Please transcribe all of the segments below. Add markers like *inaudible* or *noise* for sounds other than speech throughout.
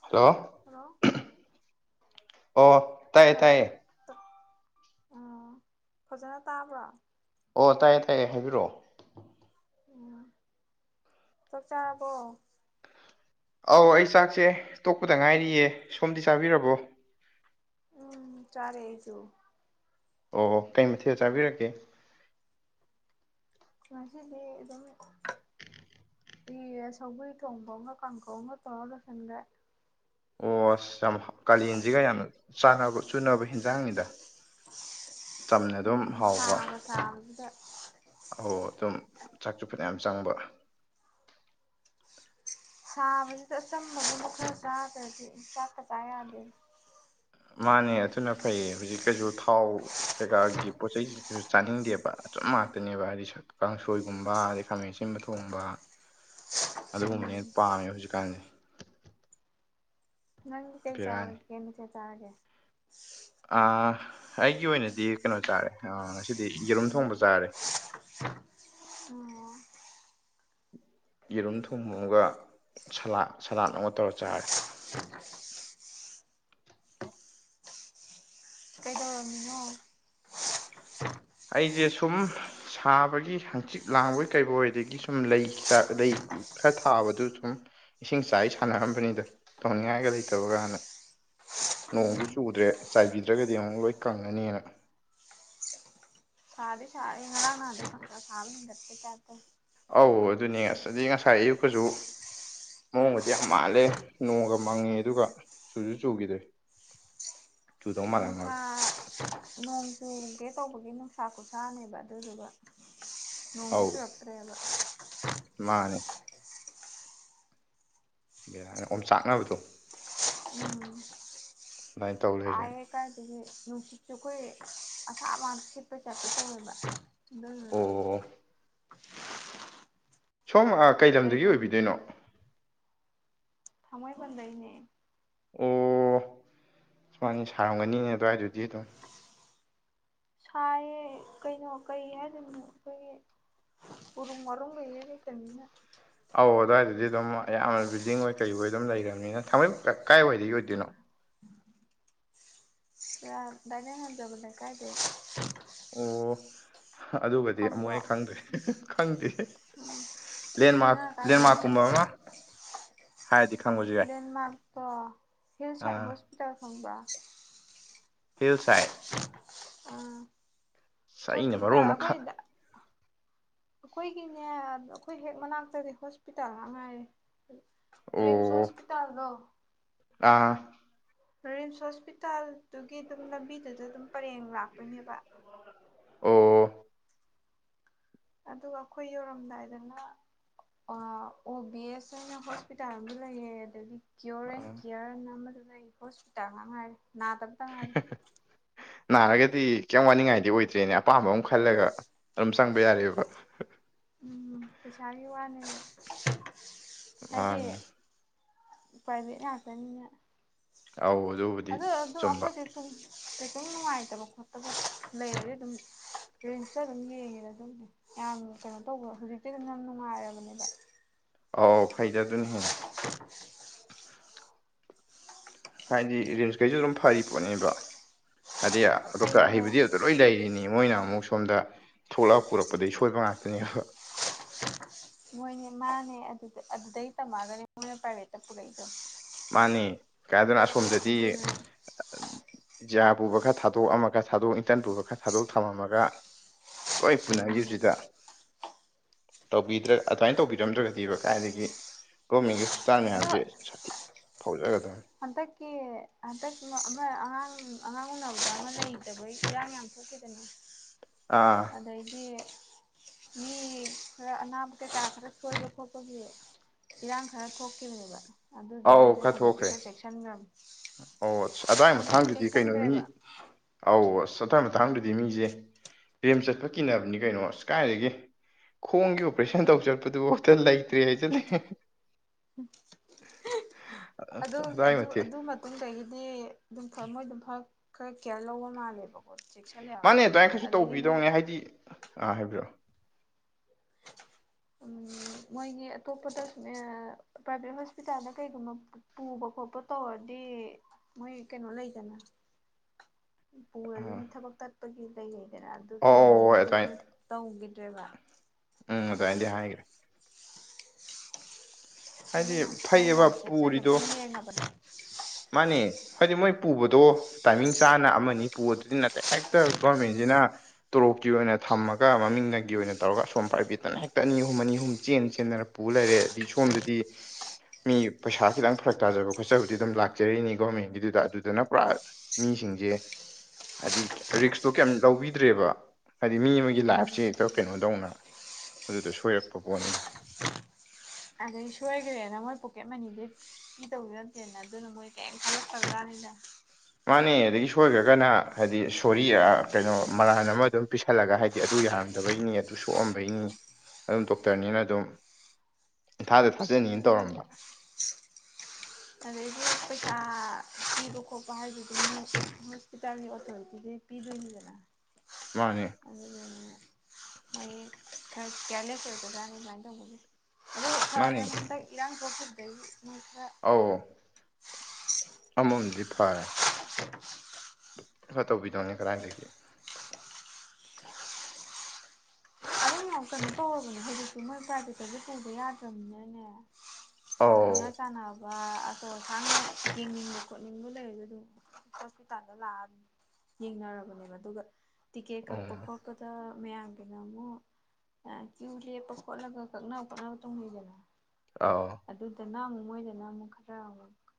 hello hello ꯑꯣ ꯇꯥꯏꯌꯦ ꯇꯥꯏꯌꯦ ꯑꯣ ꯐꯖꯅ ꯇꯥꯕ꯭ꯔꯣ ꯑꯣ ꯇꯥꯏꯌꯦ ꯇꯥꯏꯌꯦ ꯍꯥꯏꯕꯤꯔꯛꯑꯣ ꯎꯝ ꯆꯥꯛ ꯆꯥꯕꯔꯣ ꯑꯧ ꯑꯩ ꯆꯥꯛꯁꯦ ꯇꯣꯛꯄꯗ ꯉꯥꯏꯔꯤꯌꯦ ꯁꯣꯝꯗꯤ ꯆꯥꯕꯤꯔꯕꯣ ꯎꯝ ꯆꯥꯔꯦ ꯑꯩꯁꯨ ꯑꯣ ꯀꯩ ꯃꯊꯦꯜꯗ ꯆꯥꯕꯤꯔꯛꯀꯦ ꯉꯁꯤꯗꯤ ꯑꯗꯨꯝ ꯀꯧꯏꯔꯦ ꯁꯧꯒꯔꯤ ꯊꯣꯡꯕ ꯑꯃꯒ ꯀꯥꯡꯒꯧ ꯑꯃ ꯇꯧꯔ ꯂꯣꯏꯁꯤꯟꯒꯔꯦ ꯑꯣ ꯑꯁ ꯌꯥꯝ ꯀꯥꯂꯦꯟꯁꯤꯒ ꯌꯥꯝꯅ ꯆꯥꯅꯕ ꯆꯨꯅꯕ ꯍꯦꯟꯖꯥꯡꯅꯤꯗ ꯆꯝꯅ ꯑꯗꯨꯝ ꯎꯝ ꯍꯥꯎꯕ ꯁꯥꯒ ꯁꯥꯕꯁꯤꯗ ꯑꯧ ꯑꯗꯨꯝ ꯆꯥꯛ ꯆꯨ ꯐꯅ ꯌꯥꯝ ꯆꯪꯕ ꯁꯥꯕꯁꯤꯗ ꯑꯆꯝꯕꯗꯨ ꯑꯃ ꯈꯔ ꯆꯥꯗ꯭ꯔꯗꯤ ꯆꯥꯛ ꯀ ꯆꯥ ꯌꯥꯗꯦ ꯃꯥꯅꯦ ꯑꯗꯨꯅ ꯐꯩ ꯍꯧꯖꯤꯛ ꯀꯩꯁꯨ ꯊꯥꯎ ꯀꯩꯀꯥꯒꯤ ꯄꯣꯠꯆꯩꯁꯤ ꯀꯩꯁꯨ ꯆꯥꯅꯤꯡꯗꯦꯕ ꯆꯞ ꯉꯥꯛꯇꯅꯦꯕ ꯍꯥꯏꯕꯗꯤ ꯀꯥꯡꯁꯣꯏꯒꯨꯝꯕ ꯑꯗꯩ ꯈꯥꯃꯦꯟ ꯑꯁꯤꯟꯕ ꯊꯣꯡꯕ *inaudible* ꯎꯝ ꯑꯗꯨꯒꯨꯝꯕꯅ ꯄꯥꯝꯃꯦ ꯍꯧꯖꯤꯛꯀꯥꯟꯗꯤ ꯅꯪꯗꯤ ꯀꯩ ꯕꯦꯔꯥꯅꯤ ꯆꯥꯔꯒꯦ ꯀꯩ ꯃꯊꯦꯜ ꯆꯥꯔꯒꯦ ꯑꯥ ꯑꯩꯒꯤ ꯑꯣꯏꯅꯗꯤ ꯀꯩꯅꯣ ꯆꯥꯔꯦ ꯑ ꯉꯁꯤꯗꯤ ꯌꯦꯔꯨꯝ ꯊꯣꯡꯕ ꯆꯥꯔꯦ ꯑꯣ ꯌꯦꯔꯨꯝ ꯊꯣꯡꯕ ꯑꯃꯒ ꯁꯂꯥꯠ ꯑꯃ ꯇꯧꯔ ꯆꯥꯔꯦ ꯀꯩꯗꯧꯔꯝꯃꯤꯅꯣ ꯑꯩꯁꯦ ꯁꯨꯝ ꯁꯥꯕꯒꯤ ꯍꯪꯆꯤꯛ ꯂꯥꯡꯕꯣꯏ ꯀꯩꯕꯨꯣꯏꯗꯒꯤ ꯁꯨꯝ ꯂꯩ ꯆ ꯑꯗꯩ ꯈꯔ ꯊꯥꯕꯗꯨ ꯁꯨꯝ ꯏꯁꯤꯡ ꯆꯥꯏ ꯁꯥꯟꯅꯔꯝꯕꯅꯤꯗ ꯇꯧꯅꯤꯡꯉꯥꯏꯒ ꯂꯩꯇꯕꯒꯅꯥ ꯅꯣꯡꯁꯨ ꯎꯝ ꯆꯨꯗ꯭ꯔꯦ ꯆꯥꯏꯕꯤꯗ꯭ꯔꯒꯗꯤ ꯑꯃꯨꯛ ꯂꯣꯏ ꯀꯪꯉꯅꯦꯅ ꯁꯥꯗꯤ ꯁꯥꯔꯦ ꯉꯥꯔꯥꯡ ꯅꯍꯥꯟꯗꯩ ꯈꯪꯁꯥ ꯁꯥꯕ ꯍꯦꯟꯒꯠꯄ ꯗꯨꯃꯥꯏ ꯇꯧꯏ ꯑꯧ ꯑꯗꯨꯅꯦ ꯑꯁꯗꯤ ꯉꯁꯥꯏ ꯑꯌꯨꯛꯀꯁꯨ ꯃꯑꯣꯡꯒꯗꯤ ꯌꯥꯝ ꯃꯥꯜꯂꯦ ꯅꯣꯡꯒ ꯃꯪꯉꯦ ꯑꯗꯨꯒ ꯆꯨꯁꯨꯨ ꯆꯨꯈꯤꯗ꯭ꯔꯦ *inaudible* ꯆꯨꯗꯧ ꯅꯨꯡꯁꯥ ꯃꯥꯜꯂꯝꯃꯒ ꯅꯣꯡ ꯆꯨꯒꯦ ꯇꯧꯕꯒꯤ ꯅꯨꯡꯁꯥ ꯈꯨꯁꯥꯅꯦꯕ ꯑꯗꯨꯗꯨꯒ ꯅꯣꯡꯗꯤ ꯆꯨꯔꯛꯇ꯭ꯔꯦꯕ ꯃꯥꯟꯅꯦ ꯕꯦꯔꯥꯅꯤ ꯑꯣꯝ ꯆꯥꯛꯅꯕꯗꯣ *unintelligible* ꯑꯗꯨꯃꯥꯏ ꯇꯧ ꯂꯩꯔꯦ ꯁꯥꯏꯌꯦ ꯀꯥꯏꯗꯒꯤ ꯅꯨꯡꯁꯤꯠꯁꯨ ꯑꯩꯈꯣꯏ ꯑꯁꯥꯕ ꯁꯤꯠꯄꯩꯐ ꯇꯥꯏꯞꯇ ꯇꯧꯋꯦꯕ ꯑꯣ ꯑꯥ ꯁꯣꯝ ꯀꯩ ꯂꯝꯗꯒꯤ ꯂꯩꯕꯝ ꯑꯣꯏꯕꯤꯗꯣꯏꯅꯣ ꯊꯥꯡꯃꯩꯕꯟ ꯗꯩꯅꯦ ꯑꯣ ꯐꯟ ꯁꯥꯡꯕꯅꯤꯅꯦ ꯑꯗꯨꯋꯥꯏꯗꯨꯗꯤ ꯑꯗꯨꯝ ꯁꯥꯏꯌꯦ ꯀꯩꯅꯣ ꯀꯩ ꯍꯥꯏꯗꯣꯏꯅꯣ ꯑꯩꯈꯣꯏꯒꯤ ꯎꯨꯔꯨꯝ ꯋꯥꯔꯨꯝꯒ ꯏꯔꯩ ꯂꯩꯇꯝ ꯅꯤꯅ ꯑꯧ ꯑꯗꯨꯋꯥꯏꯗꯗꯤ ꯑꯗꯨꯝ ꯑꯌꯥꯝꯕꯅ ꯕꯤꯜꯗꯤꯡ ꯑꯣꯏ ꯀꯔꯤꯕꯣꯏ ꯑꯗꯨꯝ ꯂꯩꯔꯕꯅꯤꯅ ꯊꯥꯡꯃꯩꯕꯟ ꯈꯛ ꯀꯥꯏꯋꯥꯏꯗꯩ ꯑꯣꯏꯗꯣꯏꯅꯣ ꯑꯁ ꯑꯥ ꯗꯥꯏꯅꯤꯡ ꯍꯟꯗꯕ ꯂꯩꯀꯥꯏꯗꯒꯤꯅꯦ ꯑꯣ ꯑꯗꯨꯒꯗꯤ ꯑꯃꯨꯛ ꯈꯪꯕ꯭ꯔꯣ ꯍꯦꯟ ꯈꯪꯗ꯭ꯔꯦ ꯈꯪꯗꯦ ꯎꯝ ꯂꯦꯟꯃꯔꯛ ꯅꯪ ꯀꯥꯏꯗꯩꯅꯣ ꯂꯦꯟꯃꯥꯔꯛ ꯀꯨꯝꯕ ꯑꯃ ꯍꯥꯏꯔꯗꯤ ꯈꯪꯕꯁꯨ ꯌꯥꯏ ꯑꯣ ꯍꯤꯜ ꯁꯥꯏꯠ ꯑꯥ ꯍꯣꯁꯄꯤꯇꯥꯜ ꯈꯪꯕ꯭ꯔꯥ ꯍꯤꯜ ꯁꯥꯏꯠ ꯑꯥ ꯑꯁ ꯑꯩꯅ ꯃꯔꯣꯟ ꯍꯣꯁꯄꯤꯇꯥꯜ ꯑꯃ ꯈꯪ ꯑꯩꯈꯣꯏꯗ ꯑꯩꯈꯣꯏꯒꯤꯅꯦ ꯑꯩꯈꯣꯏ ꯍꯦꯛ ꯃꯅꯥꯛꯇꯗꯤ ꯍꯣꯁꯄꯤꯇꯥꯜ ꯉꯥꯛ ꯉꯥꯏꯔꯦ ꯔꯤꯝꯁ ꯑꯣ ꯍꯣꯁꯄꯤꯇꯥꯜꯗꯣ ꯑꯥ ꯔꯤꯝꯁ ꯍꯣꯁꯄꯤꯇꯥꯜꯗꯨꯒꯤ ꯑꯗꯨꯝ ꯂꯝꯕꯤꯗꯨꯗ ꯑꯗꯨꯝ ꯄꯔꯦꯡ ꯂꯥꯛꯇꯧꯢꯅꯦꯕ ꯑꯣ ꯑꯗꯨꯒ ꯑꯩꯈꯣꯏ ꯌꯧꯔꯝꯗꯥꯏꯗꯅ ꯑꯥ ꯑꯣ ꯕꯤ ꯑꯦꯁ ꯍꯥꯏꯅ ꯍꯣꯁꯄꯤꯇꯥꯜ ꯑꯃ ꯂꯩꯌꯦ ꯑꯗꯒꯤ ꯀ꯭ꯌꯣꯔ ꯑꯦꯟ ꯑ ꯀ꯭ꯌꯔ ꯅ ꯑꯃꯁꯨ ꯂꯩ ꯍꯣꯁꯄꯤꯇꯥꯜ ꯉꯥꯛ ꯉꯥꯏꯔꯦ ꯅꯥꯗꯕ ꯇꯪ ꯉꯥꯏꯔꯦ ꯅꯥꯔꯒꯗꯤ ꯀꯩꯝ ꯋꯥꯅꯤꯡꯉꯥꯏꯗꯤ ꯑꯣꯏꯗ꯭ꯔꯦꯅꯦ ꯑꯄꯥꯝꯕ ꯑꯃ ꯈꯜꯂꯒ ꯑꯗꯨꯝ ꯆꯪꯕ ꯌꯥꯔꯦꯕ ꯍ ꯎꯝ ꯄꯩꯁꯥꯒꯤ ꯋꯥꯅꯦ ꯑꯥ ꯄ꯭ꯔꯥꯏꯚꯦꯠꯉꯥꯛꯇꯅꯤꯅ ꯑꯧ ꯑꯗꯨꯕꯨꯗꯤ ꯑꯗꯨꯗꯣ ꯑꯗꯨꯝ ꯆꯨꯝꯕ ꯑꯈꯧꯢꯁꯨ ꯊꯨꯡ ꯀꯩꯁꯨꯝ ꯅꯨꯡꯉꯥꯏꯇꯕ ꯈꯣꯠꯇꯕ ꯂꯩꯔꯗꯤ ꯑꯗꯨꯝ ꯔꯤꯝꯁꯇ ꯑꯗꯨꯝ ꯌꯦꯡꯉꯦ ꯑꯗꯨꯝ ꯑꯌꯥꯝ ꯀꯩꯅꯣ ꯇꯧꯕ ꯍꯧꯖꯤꯛꯇꯤ ꯑꯗꯨꯝ ꯌꯥꯝ ꯅꯨꯡꯉꯥꯏꯔꯕꯅꯦꯗ ꯑꯥꯎ ꯍꯩꯗꯗꯨꯔꯤꯃꯅꯦ *inaudible* ꯍꯥꯏꯗꯤ ꯔꯤꯝꯁꯈꯩꯁꯨ ꯑꯗꯨꯝ ꯐꯔꯤ ꯄꯣꯠꯅꯦꯕ ꯍꯥꯏꯗꯤ ꯗꯣꯛꯇꯔ ꯐꯩꯌꯦ ꯑꯍꯩꯕꯗꯤ ꯑꯗ ꯂꯣꯏ ꯂꯩꯔꯤꯅꯤ ꯃꯣꯏꯅ ꯑꯃ ꯑꯃꯨꯛ ꯁꯣꯝꯗ ꯊꯣꯛꯂꯛꯑꯒ ꯄꯨꯔꯛꯄꯗꯒꯤ ꯁꯣꯏꯕ ꯉꯥꯛꯇꯅꯦ ꯕ ꯃꯣꯏꯅꯦ ꯃꯥꯅꯦ ꯑꯗꯨꯗ ꯑꯗꯨꯗꯩ ꯇꯝꯃꯛꯑꯒꯅꯦ ꯃꯣꯏꯅ ꯄ꯭ꯔꯥꯏꯕꯦꯠꯇ ꯄꯨꯔꯛꯏꯗꯣ ꯃꯥꯅꯤ ꯀ ꯑꯗꯨꯅ ꯑꯁꯣꯝꯗꯗꯤ ꯑ ꯑꯗꯨꯅ ꯖꯤꯔꯥꯞ ꯄꯨꯕ ꯈꯔ ꯊꯥꯗꯣꯛꯑꯃꯒ ꯊꯥꯗꯣꯛ ꯏꯟꯇꯔꯟ ꯄꯨꯕ ꯈꯔ ꯊꯥꯗꯣꯛ ꯊꯅꯝꯃꯒ ꯂꯣꯏ ꯎꯝ ꯄꯨꯅꯈꯤꯕꯖꯤꯗ ꯇꯧꯕꯤꯗ꯭ꯔ ꯑꯗꯨꯃꯥꯏꯅ ꯇꯧꯕꯤꯔꯝꯗ꯭ꯔꯒꯗꯤꯕ ꯀꯥꯏꯗꯒꯤ ꯒꯣꯔꯃꯦꯟꯒꯤ ꯍꯣꯁꯄꯤꯇꯥꯜ ꯃꯌꯥꯝꯁꯦ ꯊꯧ ꯏꯂꯩ ꯂꯩꯇꯒꯩ ꯍꯟꯇꯛꯀꯤ ꯍꯟꯗꯛ ꯑꯃ ꯑꯉꯥꯡ ꯑꯉꯥꯡ ꯎꯅꯕꯗ ꯑꯃ ꯂꯩꯇꯕꯩ ꯏꯔꯥꯡ ꯌꯥꯝ ꯊꯣꯛꯈꯤꯗꯅꯦ ꯑꯥ ꯑꯗꯩꯗꯤ ꯃꯤ ꯈꯔ ꯑꯅꯥꯝ ꯀꯩꯀꯥ ꯈꯔ ꯁꯣꯏꯕ ꯈꯣꯠꯄꯒꯤ ꯏꯔꯥꯡ ꯈꯔ ꯊꯣꯛꯈꯤꯕꯅꯦꯕ ꯑꯧ ꯑꯗꯨꯗꯩ ꯍꯧꯖꯤꯛꯇꯤ ꯊꯣꯛꯈ꯭ꯔꯦ ꯈꯔ ꯆꯦꯛꯁꯤꯟꯈ꯭ꯔꯕ ꯑꯣ ꯑꯁ ꯑꯗ꯭ꯋꯥꯏ ꯃꯊꯥꯡꯗꯨꯗꯤ ꯀꯩꯅꯣ ꯃꯤ ꯆꯦꯛꯁꯤꯟꯈ꯭ꯔꯦꯕ ꯑꯧ ꯑꯁ ꯑꯗꯥꯏ ꯃꯇꯥꯡꯗꯗꯤ ꯃꯤꯁꯦ ꯔꯤꯝꯁ ꯆꯠꯄ ꯀꯤꯅꯕꯅꯤ ꯀꯩꯅꯣ ꯑꯁ ꯀꯥꯏꯗꯒꯤ ꯈꯣꯡꯒꯤ ꯑꯣꯄ꯭ꯔꯦꯁꯟ ꯇꯧ ꯆꯠꯄꯗꯨ ꯍꯦꯛꯇ ꯂꯩꯇ꯭ꯔꯦ ꯍꯥꯏꯖꯤꯜꯂꯤ *inaudible* ꯑꯗꯨ ꯑꯗꯨꯋꯥꯏ ꯑꯗꯨ ꯃꯇꯤꯛ ꯑꯗꯨ ꯑꯗꯨꯗꯩꯒꯤꯗꯤ ꯑꯗꯨꯝ ꯐ ꯃꯣꯏ ꯑꯗꯨꯝ ꯐ ꯈꯔ ꯀ꯭ꯌꯔ ꯂꯧꯕ ꯃꯥꯜꯂꯦꯕꯀꯣ ꯆꯦꯛꯁꯤꯜꯂꯦꯕ ꯃꯥꯅꯦ ꯑꯗꯨꯃꯥꯏꯅ ꯈꯔꯁꯨ ꯑꯗꯩꯗꯤ ꯃꯣꯏ ꯇꯧꯕꯤꯗꯧꯅꯦ ꯍꯥꯏꯗꯤ ꯑ ꯍꯥꯏꯕꯤꯔꯛꯑꯣ ꯎꯝ ꯃꯣꯏꯒꯤ ꯑꯇꯣꯞꯄꯗ ꯄ꯭ꯔꯥꯏꯚꯦꯠ ꯍꯣꯁꯄꯤꯇꯥꯜꯗ ꯀꯩꯒꯨꯝꯕ ꯄꯨꯕ ꯈꯣꯠꯄ ꯇꯧꯔ ꯗꯤ ꯃꯣꯏ ꯀꯩꯅꯣ ꯂꯩꯗꯅ ꯄꯨꯔꯗꯤ ꯑꯥ ꯃꯣꯏ ꯊꯕꯛ ꯇꯠꯄꯒꯤ ꯂꯩꯖꯩꯗꯅ ꯑꯗꯨ ꯑꯧ ꯑꯧ ꯍꯣꯏ ꯇꯧꯅꯈꯤꯕꯗꯒꯤ ꯑꯗꯨꯃꯥꯏꯅ ꯃꯣꯏ ꯇꯧꯈꯤ ꯗꯦꯕ ꯎꯝ ꯑꯗꯨꯃꯥꯏꯗꯤ ꯍꯥꯏꯒꯤ ꯍꯥꯏꯗꯤ ꯑꯗꯨꯅ ꯃꯣꯏ ꯐꯩꯌꯦꯕ ꯌꯥꯝ ꯆꯦꯛꯁꯟ ꯄꯨꯔꯤꯗꯣ ꯆꯦꯛꯁꯟꯅ ꯌꯦꯡꯉꯕꯅꯦ ꯃꯥꯅꯦ ꯍꯥꯏꯗꯤ ꯃꯣꯏ ꯄꯨꯕꯗꯣ ꯇꯥꯏꯃꯤꯡ ꯆꯥꯅ ꯑꯃꯅꯤ ꯄꯨꯕ ꯑꯗꯨꯗꯤ ꯅꯠꯇꯦ ꯍꯦꯛꯇ ꯒꯣꯔꯃꯦꯟꯁꯤꯅ ꯇꯣꯂꯣꯞ ꯀꯤ ꯑꯣꯏꯅ ꯊꯝꯃꯒ ꯃꯃꯤꯡꯗꯒꯤ ꯑꯣꯏꯅ ꯇꯧꯔꯒ ꯑꯁꯣꯝ ꯄ꯭ꯔꯥꯏꯚꯦꯠꯇꯅ ꯍꯦꯛꯇ ꯑꯅꯤ ꯑꯍꯨꯝ ꯑꯅꯤ ꯑꯍꯨꯝ ꯆꯦꯟ ꯆꯦꯟꯗꯅ ꯄꯨ ꯂꯩꯔꯦ ꯔꯦ ꯑꯗꯩ ꯁꯣꯝꯗꯗꯤ ꯃꯤ ꯄꯩꯁꯥ ꯈꯤꯇꯪ ꯐꯔꯛ ꯇꯥꯖꯕ ꯈꯣꯠꯆꯕꯗꯤ ꯑꯗꯨꯝ ꯂꯥꯛꯆꯔꯤꯅꯤ ꯒꯣꯔꯃꯦꯟꯒꯤꯗꯨꯗ ꯑꯗꯨꯗꯨꯅ ꯄꯨꯔꯥ ꯃꯤ ꯁꯤꯡꯁꯦ ꯍꯥꯏꯗꯤ ꯔꯤꯛꯁꯇꯣ ꯀꯔꯤꯝ ꯂꯧꯕꯤꯗ꯭ꯔꯦꯕ ꯍꯥꯏꯗꯤ ꯃꯤ ꯑꯃꯒꯤ ꯎꯝ ꯂꯥꯏꯐꯁꯦ ꯍꯦꯛꯇ ꯀꯩꯅꯣ ꯗꯧꯅ ꯑꯗꯨꯗ ꯁꯣꯏꯔꯛꯄ ꯄꯣꯠꯅꯤꯗ ꯑꯗꯒꯤ ꯁꯣꯏꯈꯒꯔꯦꯅ ꯃꯣꯏ ꯄꯣꯀꯦꯠ ꯃꯅꯤꯗꯩ ꯄꯤꯗꯧ ꯅꯠꯇꯦꯅ ꯑꯗꯨꯅ ꯃꯣꯏ ꯀꯩꯝ ꯈꯜꯂꯛꯇꯖꯥꯠꯅꯤ ꯅ ꯃꯥꯅꯦ ꯑꯗꯒꯤ ꯁꯣꯏꯈ꯭ꯔꯒꯅ ꯍꯥꯏꯗꯤ ꯁꯣꯔꯤ ꯀꯩꯅꯣ ꯃꯔꯥꯟ ꯑꯃ ꯑꯗꯨꯝ ꯄꯤꯁꯜꯂꯒ ꯍꯥꯏꯗꯤ ꯑꯗꯨ ꯌꯥꯍꯜ ꯇꯧꯔꯝꯗꯕꯩꯅꯤ ꯑꯗꯨ ꯁꯣꯛꯑꯝꯕꯩꯅꯤ ꯑꯗꯨꯝ ꯗꯣꯛꯇꯔꯅꯤꯅ ꯑꯗꯨꯝ ꯏꯝꯐꯥꯜꯗ ꯊꯥꯖꯟꯅꯤꯅ ꯑꯗꯩ ꯇꯧꯔꯝꯕ ꯑꯗꯩꯗꯤ ꯄꯩꯁꯥ ꯊꯤꯕ ꯈꯣꯠꯄ ꯍꯥꯏꯗꯨꯁꯨ ꯍꯣꯁꯄꯤꯇꯥꯜꯒꯤ ꯑꯣꯊꯣꯔꯤꯇꯤꯒꯤ ꯄꯤꯗꯣꯏꯅꯤꯗꯅ ꯃꯥꯅꯦ ꯑꯗꯨꯗꯒꯤꯅꯦ ꯈꯔ ꯀꯌꯥꯔꯂꯦꯁ ꯑꯣꯏꯕ ꯖꯥꯠꯅꯤ ꯑꯗꯨꯃꯥꯏ ꯇꯧꯕꯁꯦ ꯑꯗꯨ ꯐꯔꯦ ꯃꯥꯅꯦ ꯍꯟꯗꯛ ꯏꯔꯥꯡ ꯊꯣꯛꯈꯤꯕꯗꯒꯤ ꯃꯣꯏ ꯈꯔ ꯑꯥꯎ ꯑꯃꯔꯣꯝꯗꯗꯤ ꯐꯔꯦ *inaudible* ꯈꯔ ꯇꯧꯕꯤꯗꯧꯅꯤ ꯀꯔꯥꯏꯗꯒꯤ *inaudible* ꯑꯗꯨꯝ ꯌꯥꯝ ꯀꯩꯅꯣ ꯇꯧꯔꯕꯅꯦ ꯍꯧꯖꯤꯛꯇꯤ ꯃꯣꯏ ꯄ꯭ꯔꯥꯏꯚꯦꯠꯇꯁꯨ ꯄꯨꯕ ꯌꯥꯗ꯭ꯔꯕꯅꯤꯅꯅꯦ ꯃꯣꯏ ꯑꯧ ꯈꯪꯅ ꯆꯥꯅꯕ ꯑꯆꯧ ꯑꯁꯥꯡꯅ ꯌꯦꯡꯅꯤꯡꯕ ꯈꯣꯠꯅꯤꯡꯕ ꯂꯩꯔꯁꯨ ꯑꯗꯨꯝ ꯍꯣꯁꯄꯤꯇꯥꯜꯗ ꯂꯥꯛꯑꯕꯅꯤ ꯌꯦꯡꯅꯔꯕꯅꯦꯕ ꯑꯗꯨꯒ ꯇꯤꯀꯦꯠ ꯎꯝ ꯀꯛꯄ ꯈꯣꯠꯄꯗ ꯃꯌꯥꯝꯒꯤꯅ ꯑꯃꯨꯛ ꯑ ꯀꯌꯨ ꯂꯦꯞꯄ ꯈꯣꯠꯂꯒ ꯀꯛꯅ ꯗꯣꯠꯅꯕ ꯇꯧꯅꯩꯗꯅ ꯑꯥꯎ ꯑꯗꯅꯥ ꯑꯃꯨꯛ ꯃꯣꯏꯗꯅ ꯃꯨꯛ ꯈꯔꯥ